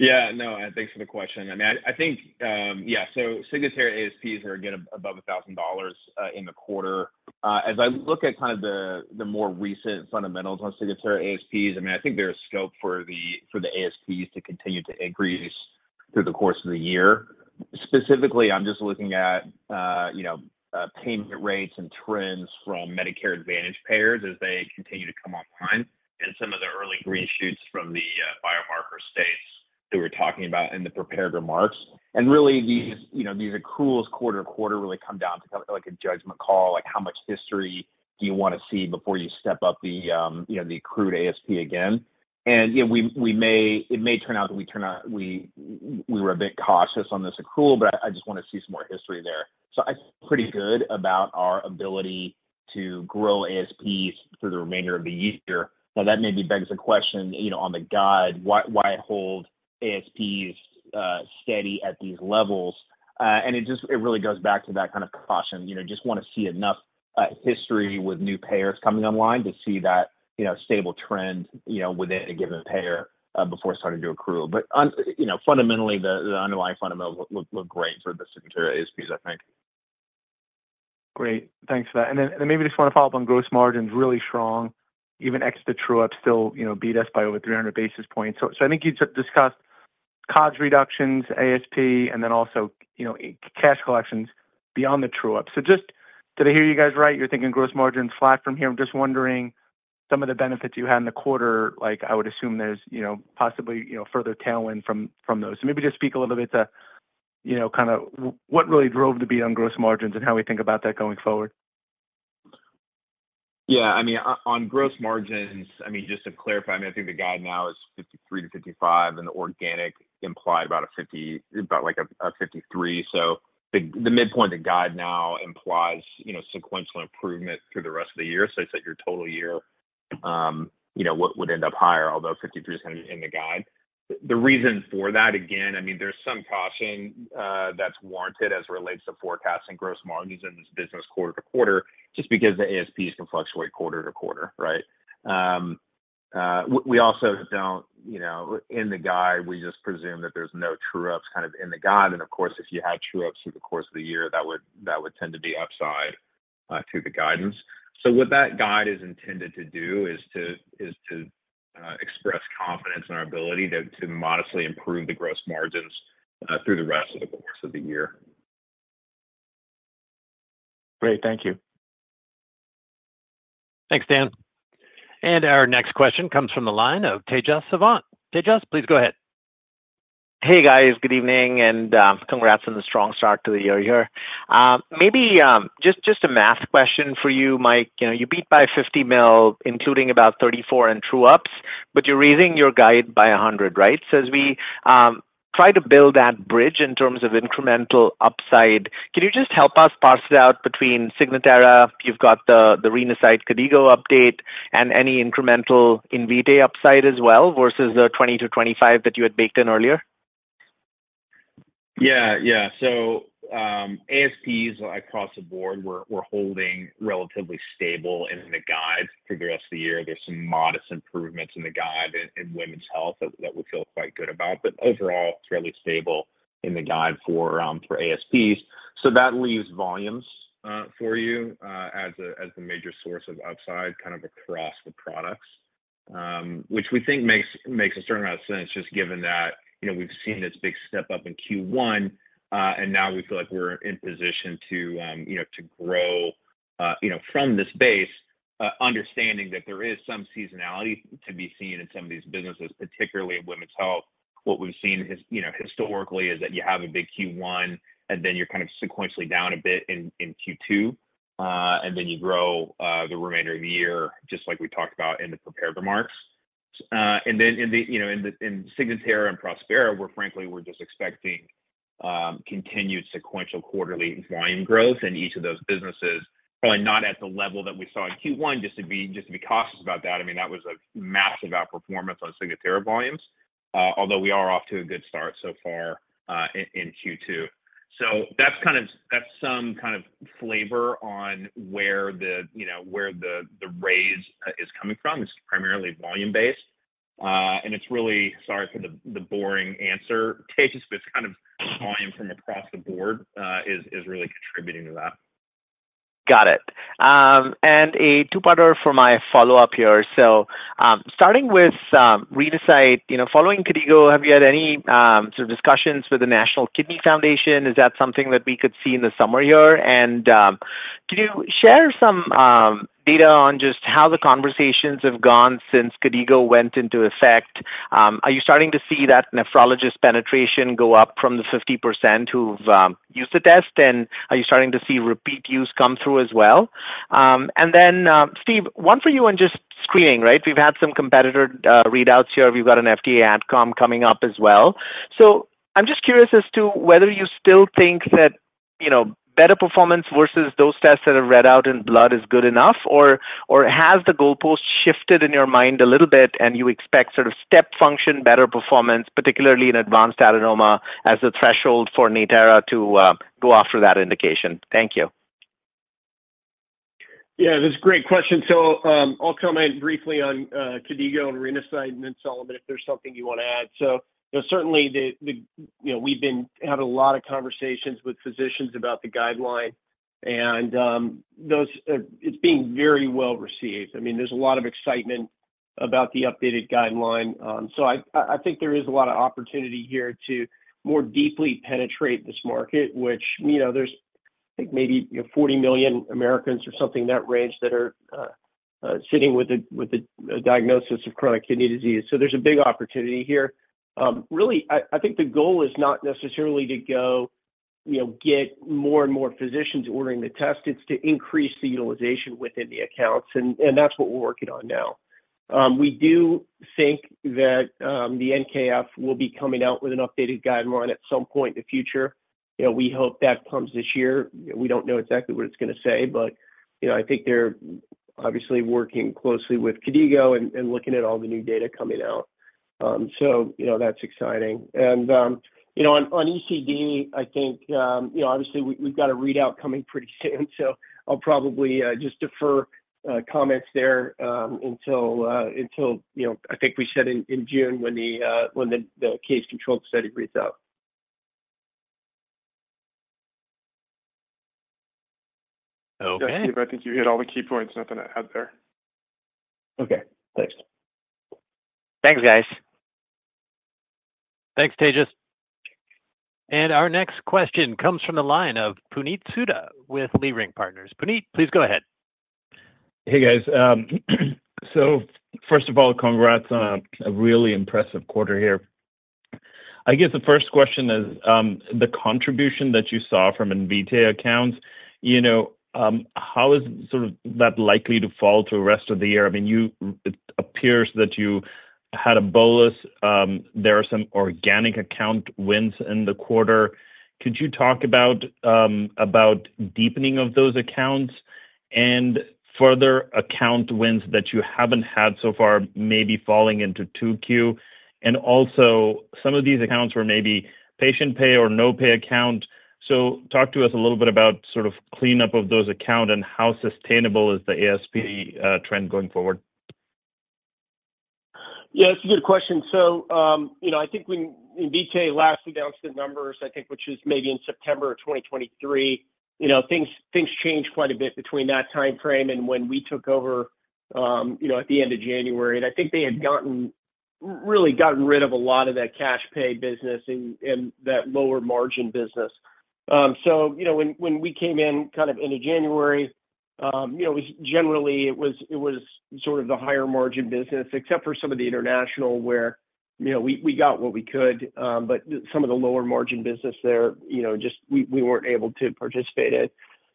Yeah. No, thanks for the question. I mean, I think yeah, so Signatera ASPs are again above $1,000 in the quarter. As I look at kind of the more recent fundamentals on Signatera ASPs, I mean, I think there is scope for the ASPs to continue to increase through the course of the year. Specifically, I'm just looking at payment rates and trends from Medicare Advantage payers as they continue to come online and some of the early green shoots from the biomarker states that we were talking about in the prepared remarks. Really, these accruals quarter to quarter really come down to a judgment call, like how much history do you want to see before you step up the accrued ASP again? It may turn out that we were a bit cautious on this accrual, but I just want to see some more history there. So I feel pretty good about our ability to grow ASPs through the remainder of the year. Now, that maybe begs the question on the guide, why hold ASPs steady at these levels? And it really goes back to that kind of caution. Just want to see enough history with new payers coming online to see that stable trend within a given payer before starting to accrue. But fundamentally, the underlying fundamentals look great for the Signatera ASPs, I think. Great. Thanks for that. And then maybe just want to follow up on gross margins. Really strong. Even extra true-ups still beat us by over 300 basis points. So I think you discussed COGS reductions, ASP, and then also cash collections beyond the true-ups. So just did I hear you guys right? You're thinking gross margins flat from here. I'm just wondering, some of the benefits you had in the quarter, I would assume there's possibly further tailwind from those. So maybe just speak a little bit to kind of what really drove the beat on gross margins and how we think about that going forward. Yeah. I mean, on gross margins, I mean, just to clarify, I mean, I think the guide now is 53%-55%, and the organic implied about a 53%. So the midpoint, the guide now implies sequential improvement through the rest of the year. So I said your total year would end up higher, although 53% is kind of in the guide. The reason for that, again, I mean, there's some caution that's warranted as it relates to forecasting gross margins in this business quarter to quarter just because the ASPs can fluctuate quarter to quarter, right? We also don't in the guide, we just presume that there's no true-ups kind of in the guide. And of course, if you had true-ups through the course of the year, that would tend to be upside to the guidance. What that guide is intended to do is to express confidence in our ability to modestly improve the gross margins through the rest of the course of the year. Great. Thank you. Thanks, Dan. Our next question comes from the line of Tejas Savant. Tejas, please go ahead. Hey, guys. Good evening and congrats on the strong start to the year here. Maybe just a math question for you, Mike. You beat by $50 million, including about $34 million in true-ups, but you're raising your guide by $100 million, right? So as we try to build that bridge in terms of incremental upside, can you just help us parse it out between Signatera, you've got the Renasight KDIGO update, and any incremental Invitae upside as well versus the $20 million-$25 million that you had baked in earlier? Yeah. Yeah. So ASPs across the board, we're holding relatively stable in the guide through the rest of the year. There's some modest improvements in the guide in women's health that we feel quite good about. But overall, fairly stable in the guide for ASPs. So that leaves volumes for you as the major source of upside kind of across the products, which we think makes a certain amount of sense just given that we've seen this big step up in Q1, and now we feel like we're in position to grow from this base, understanding that there is some seasonality to be seen in some of these businesses, particularly in women's health. What we've seen historically is that you have a big Q1, and then you're kind of sequentially down a bit in Q2, and then you grow the remainder of the year just like we talked about in the prepared remarks. And then in Signatera and Prospera, frankly, we're just expecting continued sequential quarterly volume growth in each of those businesses, probably not at the level that we saw in Q1, just to be cautious about that. I mean, that was a massive outperformance on Signatera volumes, although we are off to a good start so far in Q2. So that's kind of some kind of flavor on where the raise is coming from. It's primarily volume-based. And it's really sorry for the boring answer, Tejas, but it's kind of volume from across the board is really contributing to that. Got it. And a two-parter for my follow-up here. So starting with Renasight, following KDIGO, have you had any sort of discussions with the National Kidney Foundation? Is that something that we could see in the summer here? And can you share some data on just how the conversations have gone since KDIGO went into effect? Are you starting to see that nephrologist penetration go up from the 50% who've used the test? And are you starting to see repeat use come through as well? And then, Steve, one for you on just screening, right? We've had some competitor readouts here. We've got an FDA AdCom coming up as well. I'm just curious as to whether you still think that better performance versus those tests that are read out in blood is good enough, or has the goalpost shifted in your mind a little bit and you expect sort of step function, better performance, particularly in advanced adenoma as the threshold for Natera to go after that indication? Thank you. Yeah, that's a great question. So I'll comment briefly on KDIGO and Renasight and then Solomon if there's something you want to add. So certainly, we've had a lot of conversations with physicians about the guideline, and it's being very well received. I mean, there's a lot of excitement about the updated guideline. So I think there is a lot of opportunity here to more deeply penetrate this market, which there's, I think, maybe 40 million Americans or something in that range that are sitting with a diagnosis of chronic kidney disease. So there's a big opportunity here. Really, I think the goal is not necessarily to go get more and more physicians ordering the test. It's to increase the utilization within the accounts, and that's what we're working on now. We do think that the NKF will be coming out with an updated guideline at some point in the future. We hope that comes this year. We don't know exactly what it's going to say, but I think they're obviously working closely with KDIGO and looking at all the new data coming out. So that's exciting. And on CRC, I think obviously, we've got a readout coming pretty soon. So I'll probably just defer comments there until I think we said in June when the case-controlled study reads out. Okay. Yeah, Steve, I think you hit all the key points. Nothing to add there. Okay. Thanks. Thanks, guys. Thanks, Tejas. Our next question comes from the line of Puneet, please go ahead. Hey, guys. So first of all, congrats on a really impressive quarter here. I guess the first question is the contribution that you saw from Invitae accounts. How is sort of that likely to fall through the rest of the year? I mean, it appears that you had a bolus. There are some organic account wins in the quarter. Could you talk about deepening of those accounts and further account wins that you haven't had so far, maybe falling into 2Q? And also, some of these accounts were maybe patient pay or no-pay account. So talk to us a little bit about sort of cleanup of those accounts and how sustainable is the ASP trend going forward? Yeah, that's a good question. So I think when Invitae last announced the numbers, I think which was maybe in September of 2023, things changed quite a bit between that timeframe and when we took over at the end of January. And I think they had really gotten rid of a lot of that cash pay business and that lower margin business. So when we came in kind of into January, generally, it was sort of the higher margin business, except for some of the international where we got what we could. But some of the lower margin business there, just we weren't able to participate in.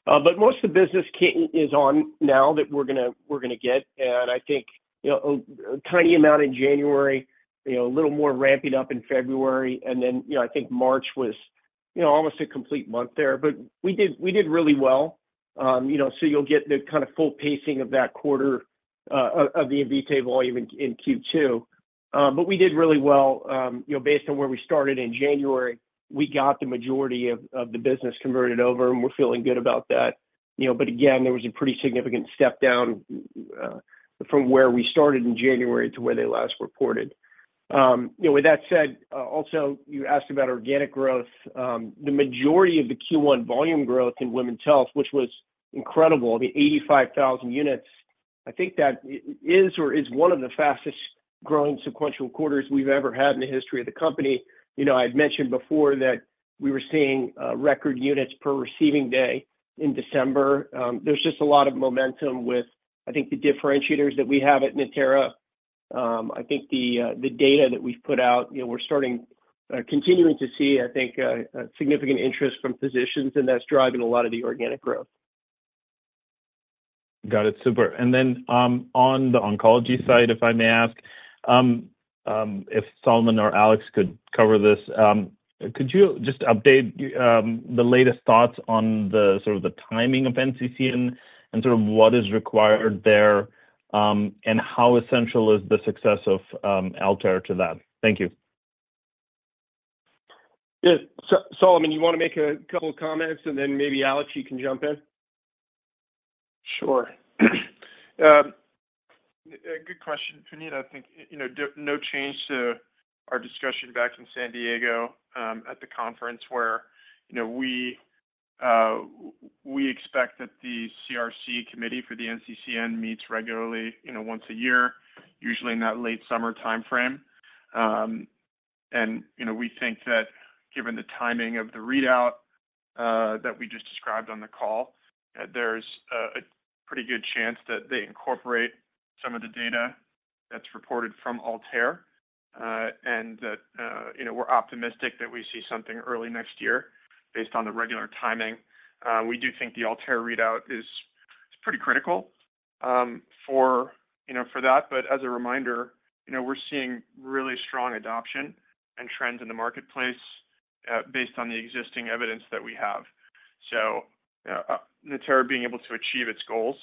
But most of the business is on now that we're going to get. And I think a tiny amount in January, a little more ramping up in February, and then I think March was almost a complete month there. But we did really well. So you'll get the kind of full pacing of that quarter of the Invitae volume in Q2. But we did really well. Based on where we started in January, we got the majority of the business converted over, and we're feeling good about that. But again, there was a pretty significant step down from where we started in January to where they last reported. With that said, also, you asked about organic growth. The majority of the Q1 volume growth in women's health, which was incredible, I mean, 85,000 units, I think that is one of the fastest-growing sequential quarters we've ever had in the history of the company. I had mentioned before that we were seeing record units per receiving day in December. There's just a lot of momentum with, I mean, the differentiators that we have at Natera. I think the data that we've put out, we're continuing to see, I think, significant interest from physicians, and that's driving a lot of the organic growth. Got it. Super. And then on the oncology side, if I may ask, if Solomon or Alex could cover this, could you just update the latest thoughts on sort of the timing of NCCN and sort of what is required there and how essential is the success of ALTAIR to that? Thank you. Yeah. Solomon, you want to make a couple of comments, and then maybe Alex, you can jump in. Sure. Good question, Puneet. I think no change to our discussion back in San Diego at the conference where we expect that the CRC committee for the NCCN meets regularly once a year, usually in that late summer timeframe. We think that given the timing of the readout that we just described on the call, there's a pretty good chance that they incorporate some of the data that's reported from ALTAIR, and that we're optimistic that we see something early next year based on the regular timing. We do think the ALTAIR readout is pretty critical for that. But as a reminder, we're seeing really strong adoption and trends in the marketplace based on the existing evidence that we have. So Natera being able to achieve its goals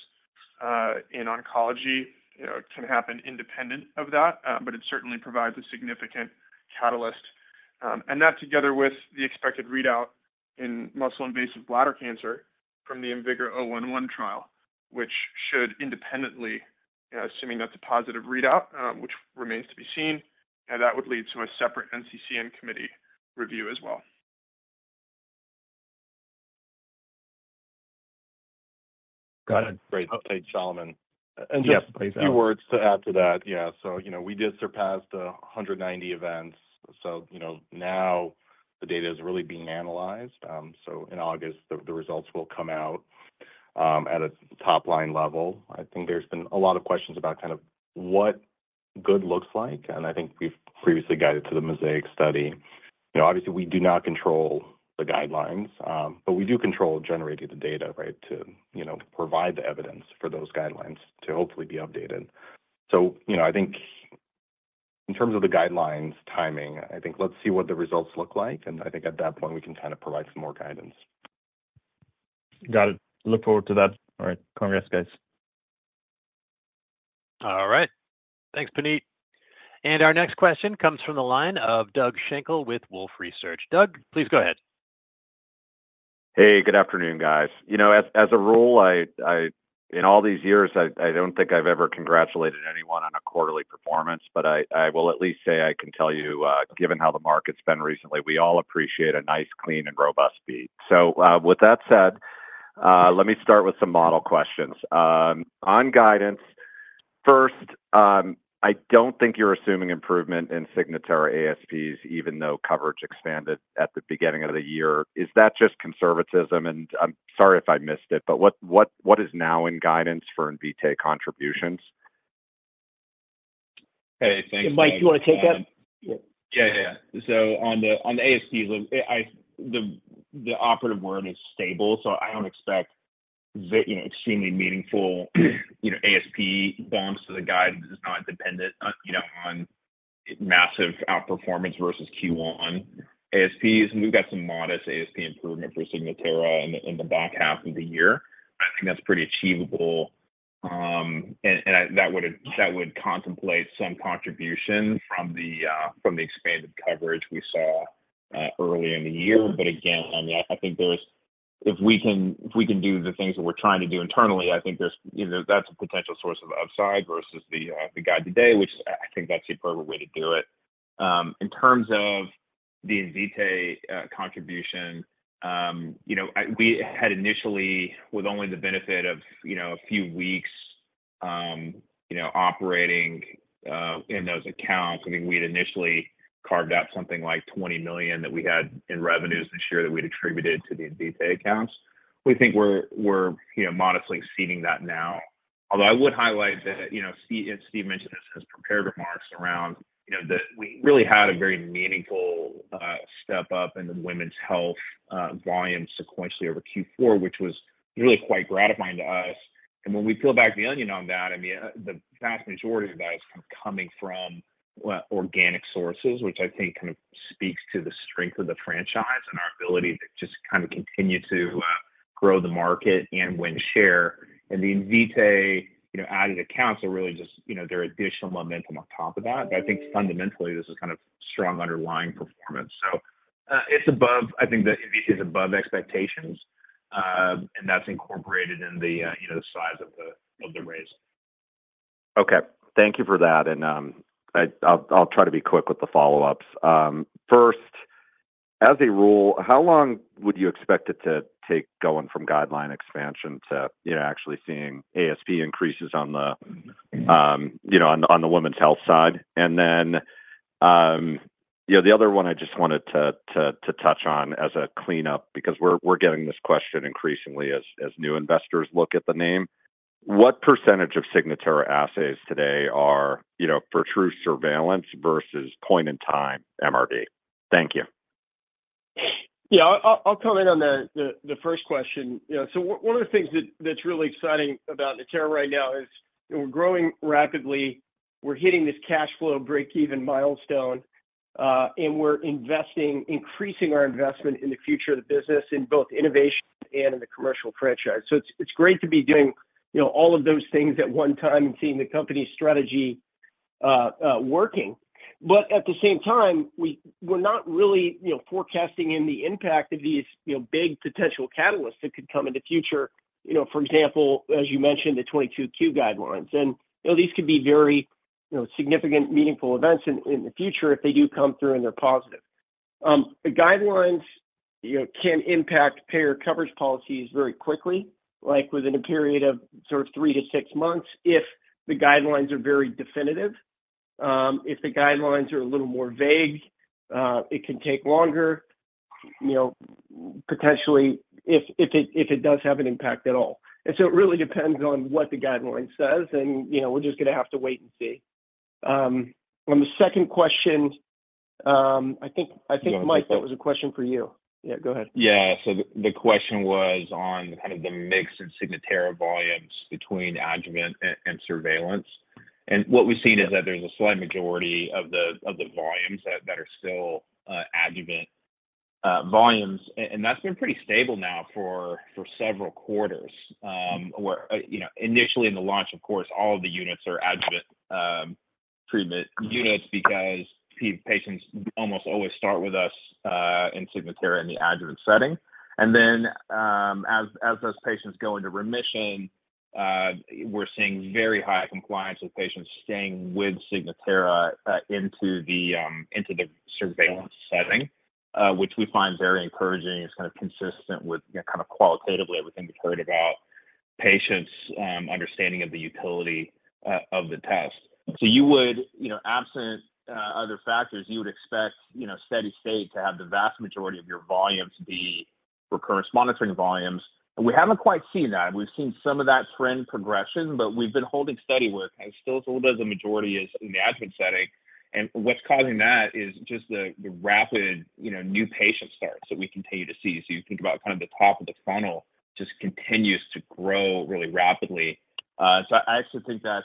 in oncology can happen independent of that, but it certainly provides a significant catalyst. And that together with the expected readout in muscle-invasive bladder cancer from the IMvigor 011 trial, which should independently, assuming that's a positive readout, which remains to be seen, that would lead to a separate NCCN committee review as well. Got it. Great. Thanks, Solomon. Just a few words to add to that. Yeah. We did surpass the 190 events. Now the data is really being analyzed. In August, the results will come out at a top-line level. I think there's been a lot of questions about kind of what good looks like. We've previously guided to the MOSAIC study. Obviously, we do not control the guidelines, but we do control generating the data, right, to provide the evidence for those guidelines to hopefully be updated. In terms of the guidelines timing, let's see what the results look like. At that point, we can kind of provide some more guidance. Got it. Look forward to that. All right. Congrats, guys. All right. Thanks, Puneet. And our next question comes from the line of Doug Schenkel with Wolfe Research. Doug, please go ahead. Hey, good afternoon, guys. As a rule, in all these years, I don't think I've ever congratulated anyone on a quarterly performance, but I will at least say I can tell you, given how the market's been recently, we all appreciate a nice, clean, and robust beat. So with that said, let me start with some model questions. On guidance, first, I don't think you're assuming improvement in Signatera ASPs, even though coverage expanded at the beginning of the year. Is that just conservatism? And I'm sorry if I missed it, but what is now in guidance for Invitae contributions? Hey, thanks. Mike, do you want to take that? Yeah, yeah, yeah. So on the ASPs, the operative word is stable. So I don't expect extremely meaningful ASP bumps to the guide that is not dependent on massive outperformance versus Q1 ASPs. And we've got some modest ASP improvement for Signatera in the back half of the year. I think that's pretty achievable. And that would contemplate some contribution from the expanded coverage we saw early in the year. But again, I mean, I think if we can do the things that we're trying to do internally, I think that's a potential source of upside versus the guide today, which I think that's the appropriate way to do it. In terms of the Invitae contribution, we had initially with only the benefit of a few weeks operating in those accounts, I think we had initially carved out something like $20 million that we had in revenues this year that we'd attributed to the Invitae accounts. We think we're modestly exceeding that now. Although I would highlight that Steve mentioned this in his prepared remarks around that we really had a very meaningful step up in the women's health volume sequentially over Q4, which was really quite gratifying to us. And when we peel back the onion on that, I mean, the vast majority of that is kind of coming from organic sources, which I think kind of speaks to the strength of the franchise and our ability to just kind of continue to grow the market and win share. The Invitae added accounts are really just their additional momentum on top of that. I think fundamentally, this is kind of strong underlying performance. It's above I think the Invitae is above expectations, and that's incorporated in the size of the raise. Okay. Thank you for that. And I'll try to be quick with the follow-ups. First, as a rule, how long would you expect it to take going from guideline expansion to actually seeing ASP increases on the women's health side? And then the other one I just wanted to touch on as a cleanup because we're getting this question increasingly as new investors look at the name. What percentage of Signatera assays today are for true surveillance versus point-in-time MRD? Thank you. Yeah, I'll comment on the first question. So one of the things that's really exciting about Natera right now is we're growing rapidly. We're hitting this cash flow break-even milestone, and we're increasing our investment in the future of the business in both innovation and in the commercial franchise. So it's great to be doing all of those things at one time and seeing the company's strategy working. But at the same time, we're not really forecasting in the impact of these big potential catalysts that could come in the future. For example, as you mentioned, the 22q guidelines. And these could be very significant, meaningful events in the future if they do come through and they're positive. The guidelines can impact payer coverage policies very quickly, like within a period of sort of 3-6 months if the guidelines are very definitive. If the guidelines are a little more vague, it can take longer, potentially, if it does have an impact at all. And so it really depends on what the guideline says, and we're just going to have to wait and see. On the second question, I think, Mike, that was a question for you. Yeah, go ahead. Yeah. So the question was on kind of the mix in Signatera volumes between adjuvant and surveillance. And what we've seen is that there's a slight majority of the volumes that are still adjuvant volumes. And that's been pretty stable now for several quarters. Initially, in the launch, of course, all of the units are adjuvant treatment units because patients almost always start with us in Signatera in the adjuvant setting. And then as those patients go into remission, we're seeing very high compliance with patients staying with Signatera into the surveillance setting, which we find very encouraging. It's kind of consistent with kind of qualitatively everything we've heard about patients' understanding of the utility of the test. So absent other factors, you would expect steady state to have the vast majority of your volumes be recurrence monitoring volumes. And we haven't quite seen that. We've seen some of that trend progression, but we've been holding steady work. It still feels a little bit as a majority as in the adjuvant setting. And what's causing that is just the rapid new patient starts that we continue to see. So you think about kind of the top of the funnel just continues to grow really rapidly. So I actually think that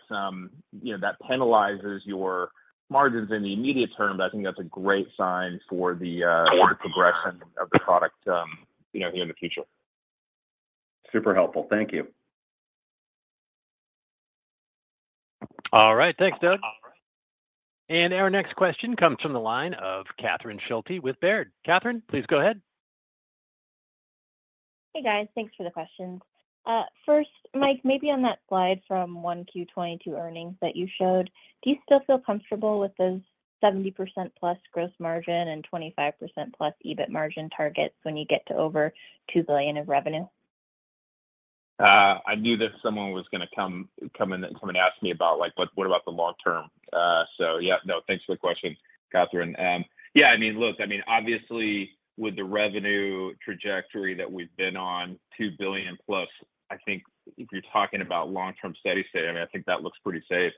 penalizes your margins in the immediate term, but I think that's a great sign for the progression of the product here in the future. Super helpful. Thank you. All right. Thanks, Doug. Our next question comes from the line of Catherine Schulte with Baird. Catherine, please go ahead. Hey, guys. Thanks for the questions. First, Mike, maybe on that slide from 1Q22 earnings that you showed, do you still feel comfortable with those 70%-plus gross margin and 25%-plus EBIT margin targets when you get to over $2 billion in revenue? I knew that someone was going to come and ask me about, "What about the long term?" So yeah, no, thanks for the question, Catherine. Yeah, I mean, look, I mean, obviously, with the revenue trajectory that we've been on, $2 billion+, I think if you're talking about long-term steady state, I mean, I think that looks pretty safe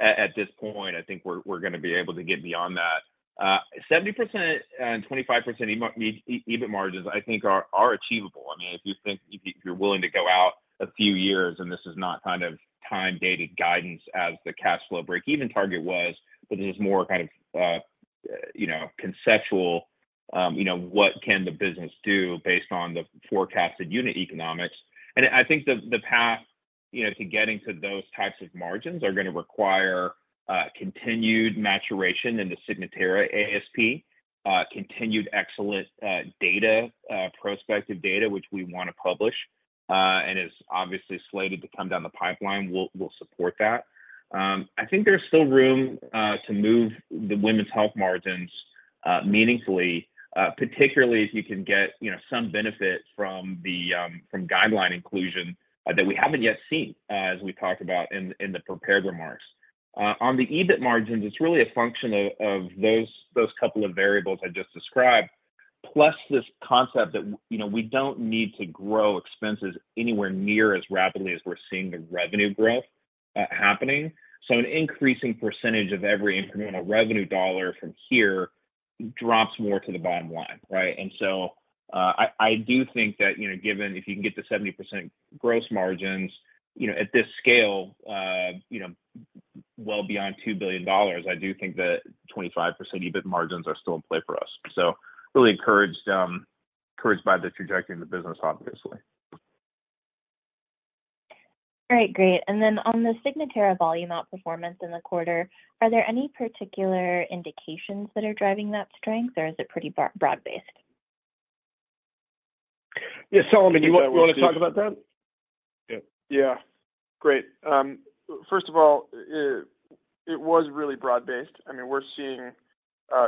at this point. I think we're going to be able to get beyond that. 70% and 25% EBIT margins, I think, are achievable. I mean, if you're willing to go out a few years and this is not kind of time-dated guidance as the cash flow break-even target was, but this is more kind of conceptual, what can the business do based on the forecasted unit economics? I think the path to getting to those types of margins are going to require continued maturation in the Signatera ASP, continued excellent data, prospective data, which we want to publish and is obviously slated to come down the pipeline. We'll support that. I think there's still room to move the women's health margins meaningfully, particularly if you can get some benefit from guideline inclusion that we haven't yet seen, as we talked about in the prepared remarks. On the EBIT margins, it's really a function of those couple of variables I just described, plus this concept that we don't need to grow expenses anywhere near as rapidly as we're seeing the revenue growth happening. So an increasing percentage of every incremental revenue dollar from here drops more to the bottom line, right? So I do think that given if you can get to 70% gross margins at this scale, well beyond $2 billion, I do think that 25% EBIT margins are still in play for us. Really encouraged by the trajectory in the business, obviously. All right. Great. And then on the Signatera volume outperformance in the quarter, are there any particular indications that are driving that strength, or is it pretty broad-based? Yeah, Solomon, you want to talk about that? Yeah. Great. First of all, it was really broad-based. I mean, we're seeing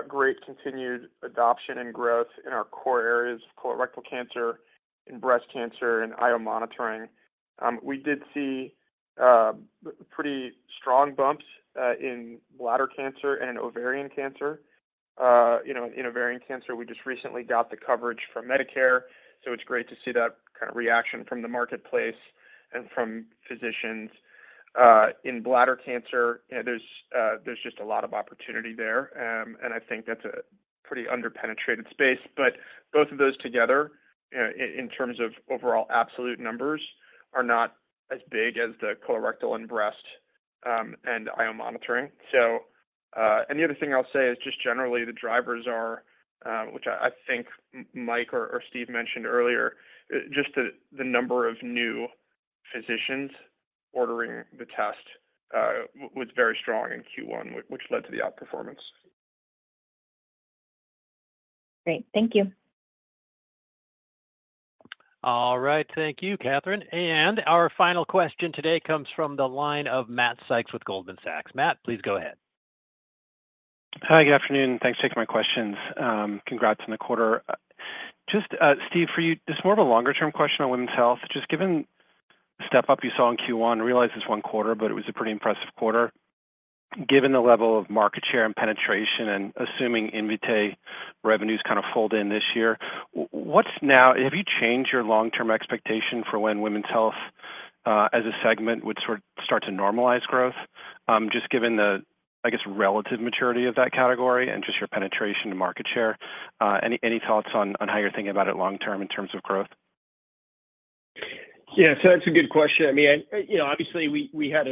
great continued adoption and growth in our core areas of colorectal cancer and breast cancer and IO monitoring. We did see pretty strong bumps in bladder cancer and in ovarian cancer. In ovarian cancer, we just recently got the coverage from Medicare. So it's great to see that kind of reaction from the marketplace and from physicians. In bladder cancer, there's just a lot of opportunity there. And I think that's a pretty underpenetrated space. But both of those together, in terms of overall absolute numbers, are not as big as the colorectal and breast and IO monitoring. And the other thing I'll say is just generally, the drivers are, which I think Mike or Steve mentioned earlier, just the number of new physicians ordering the test was very strong in Q1, which led to the outperformance. Great. Thank you. All right. Thank you, Catherine. And our final question today comes from the line of Matt Sykes with Goldman Sachs. Matt, please go ahead. Hi. Good afternoon. Thanks for taking my questions. Congrats on the quarter. Just, Steve, for you, just more of a longer-term question on women's health. Just given the step-up you saw in Q1, I realize it's one quarter, but it was a pretty impressive quarter. Given the level of market share and penetration and assuming Invitae revenues kind of fold in this year, have you changed your long-term expectation for when women's health as a segment would sort of start to normalize growth? Just given the, I guess, relative maturity of that category and just your penetration and market share, any thoughts on how you're thinking about it long-term in terms of growth? Yeah. So that's a good question. I mean, obviously, we had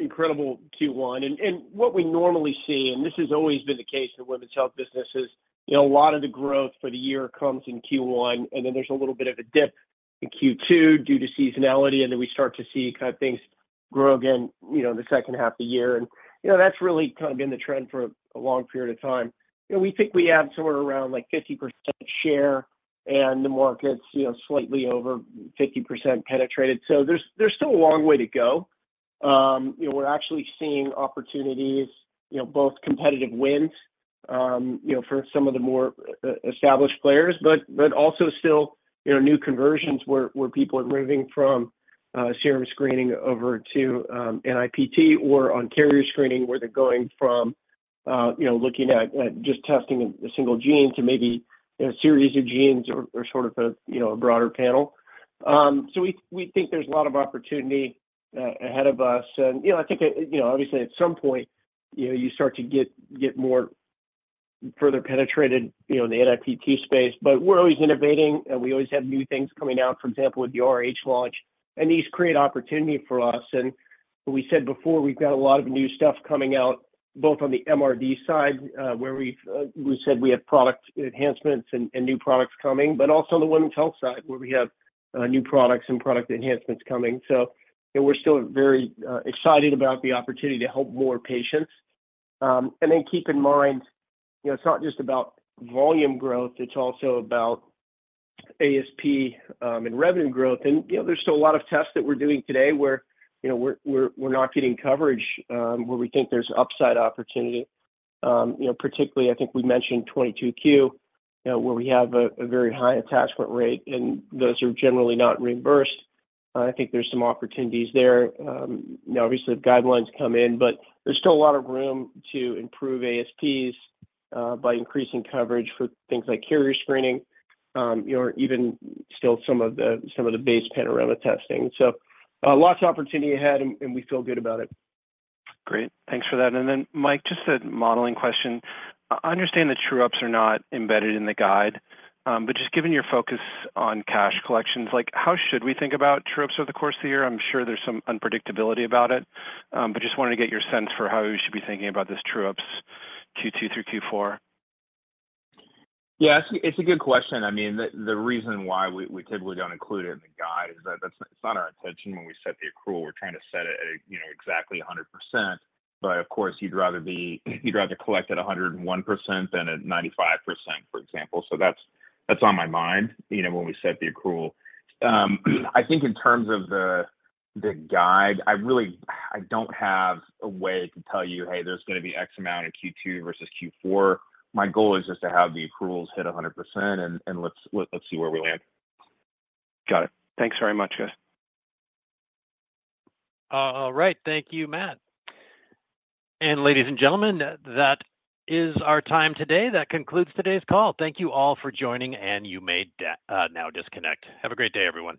an incredible Q1. And what we normally see, and this has always been the case in women's health businesses, a lot of the growth for the year comes in Q1, and then there's a little bit of a dip in Q2 due to seasonality. And then we start to see kind of things grow again in the second half of the year. And that's really kind of been the trend for a long period of time. We think we have somewhere around like 50% share and the market's slightly over 50% penetrated. So there's still a long way to go. We're actually seeing opportunities, both competitive wins for some of the more established players, but also still new conversions where people are moving from serum screening over to NIPT or on carrier screening where they're going from looking at just testing a single gene to maybe a series of genes or sort of a broader panel. So we think there's a lot of opportunity ahead of us. And I think, obviously, at some point, you start to get more further penetrated in the NIPT space. But we're always innovating, and we always have new things coming out. For example, with the Rh launch. And these create opportunity for us. And we said before, we've got a lot of new stuff coming out both on the MRD side where we said we have product enhancements and new products coming, but also on the women's health side where we have new products and product enhancements coming. So we're still very excited about the opportunity to help more patients. And then keep in mind, it's not just about volume growth. It's also about ASP and revenue growth. And there's still a lot of tests that we're doing today where we're not getting coverage, where we think there's upside opportunity. Particularly, I think we mentioned 22q where we have a very high attachment rate, and those are generally not reimbursed. I think there's some opportunities there. Now, obviously, the guidelines come in, but there's still a lot of room to improve ASPs by increasing coverage for things like carrier screening or even still some of the base Panorama testing. So lots of opportunity ahead, and we feel good about it. Great. Thanks for that. And then, Mike, just a modeling question. I understand that true-ups are not embedded in the guide, but just given your focus on cash collections, how should we think about true-ups over the course of the year? I'm sure there's some unpredictability about it, but just wanted to get your sense for how we should be thinking about this true-ups Q2 through Q4. Yeah. It's a good question. I mean, the reason why we typically don't include it in the guide is that it's not our intention when we set the accrual. We're trying to set it at exactly 100%. But of course, you'd rather collect at 101% than at 95%, for example. So that's on my mind when we set the accrual. I think in terms of the guide, I don't have a way to tell you, "Hey, there's going to be X amount in Q2 versus Q4." My goal is just to have the accruals hit 100%, and let's see where we land. Got it. Thanks very much, guys. All right. Thank you, Matt. And ladies and gentlemen, that is our time today. That concludes today's call. Thank you all for joining, and you may now disconnect. Have a great day, everyone.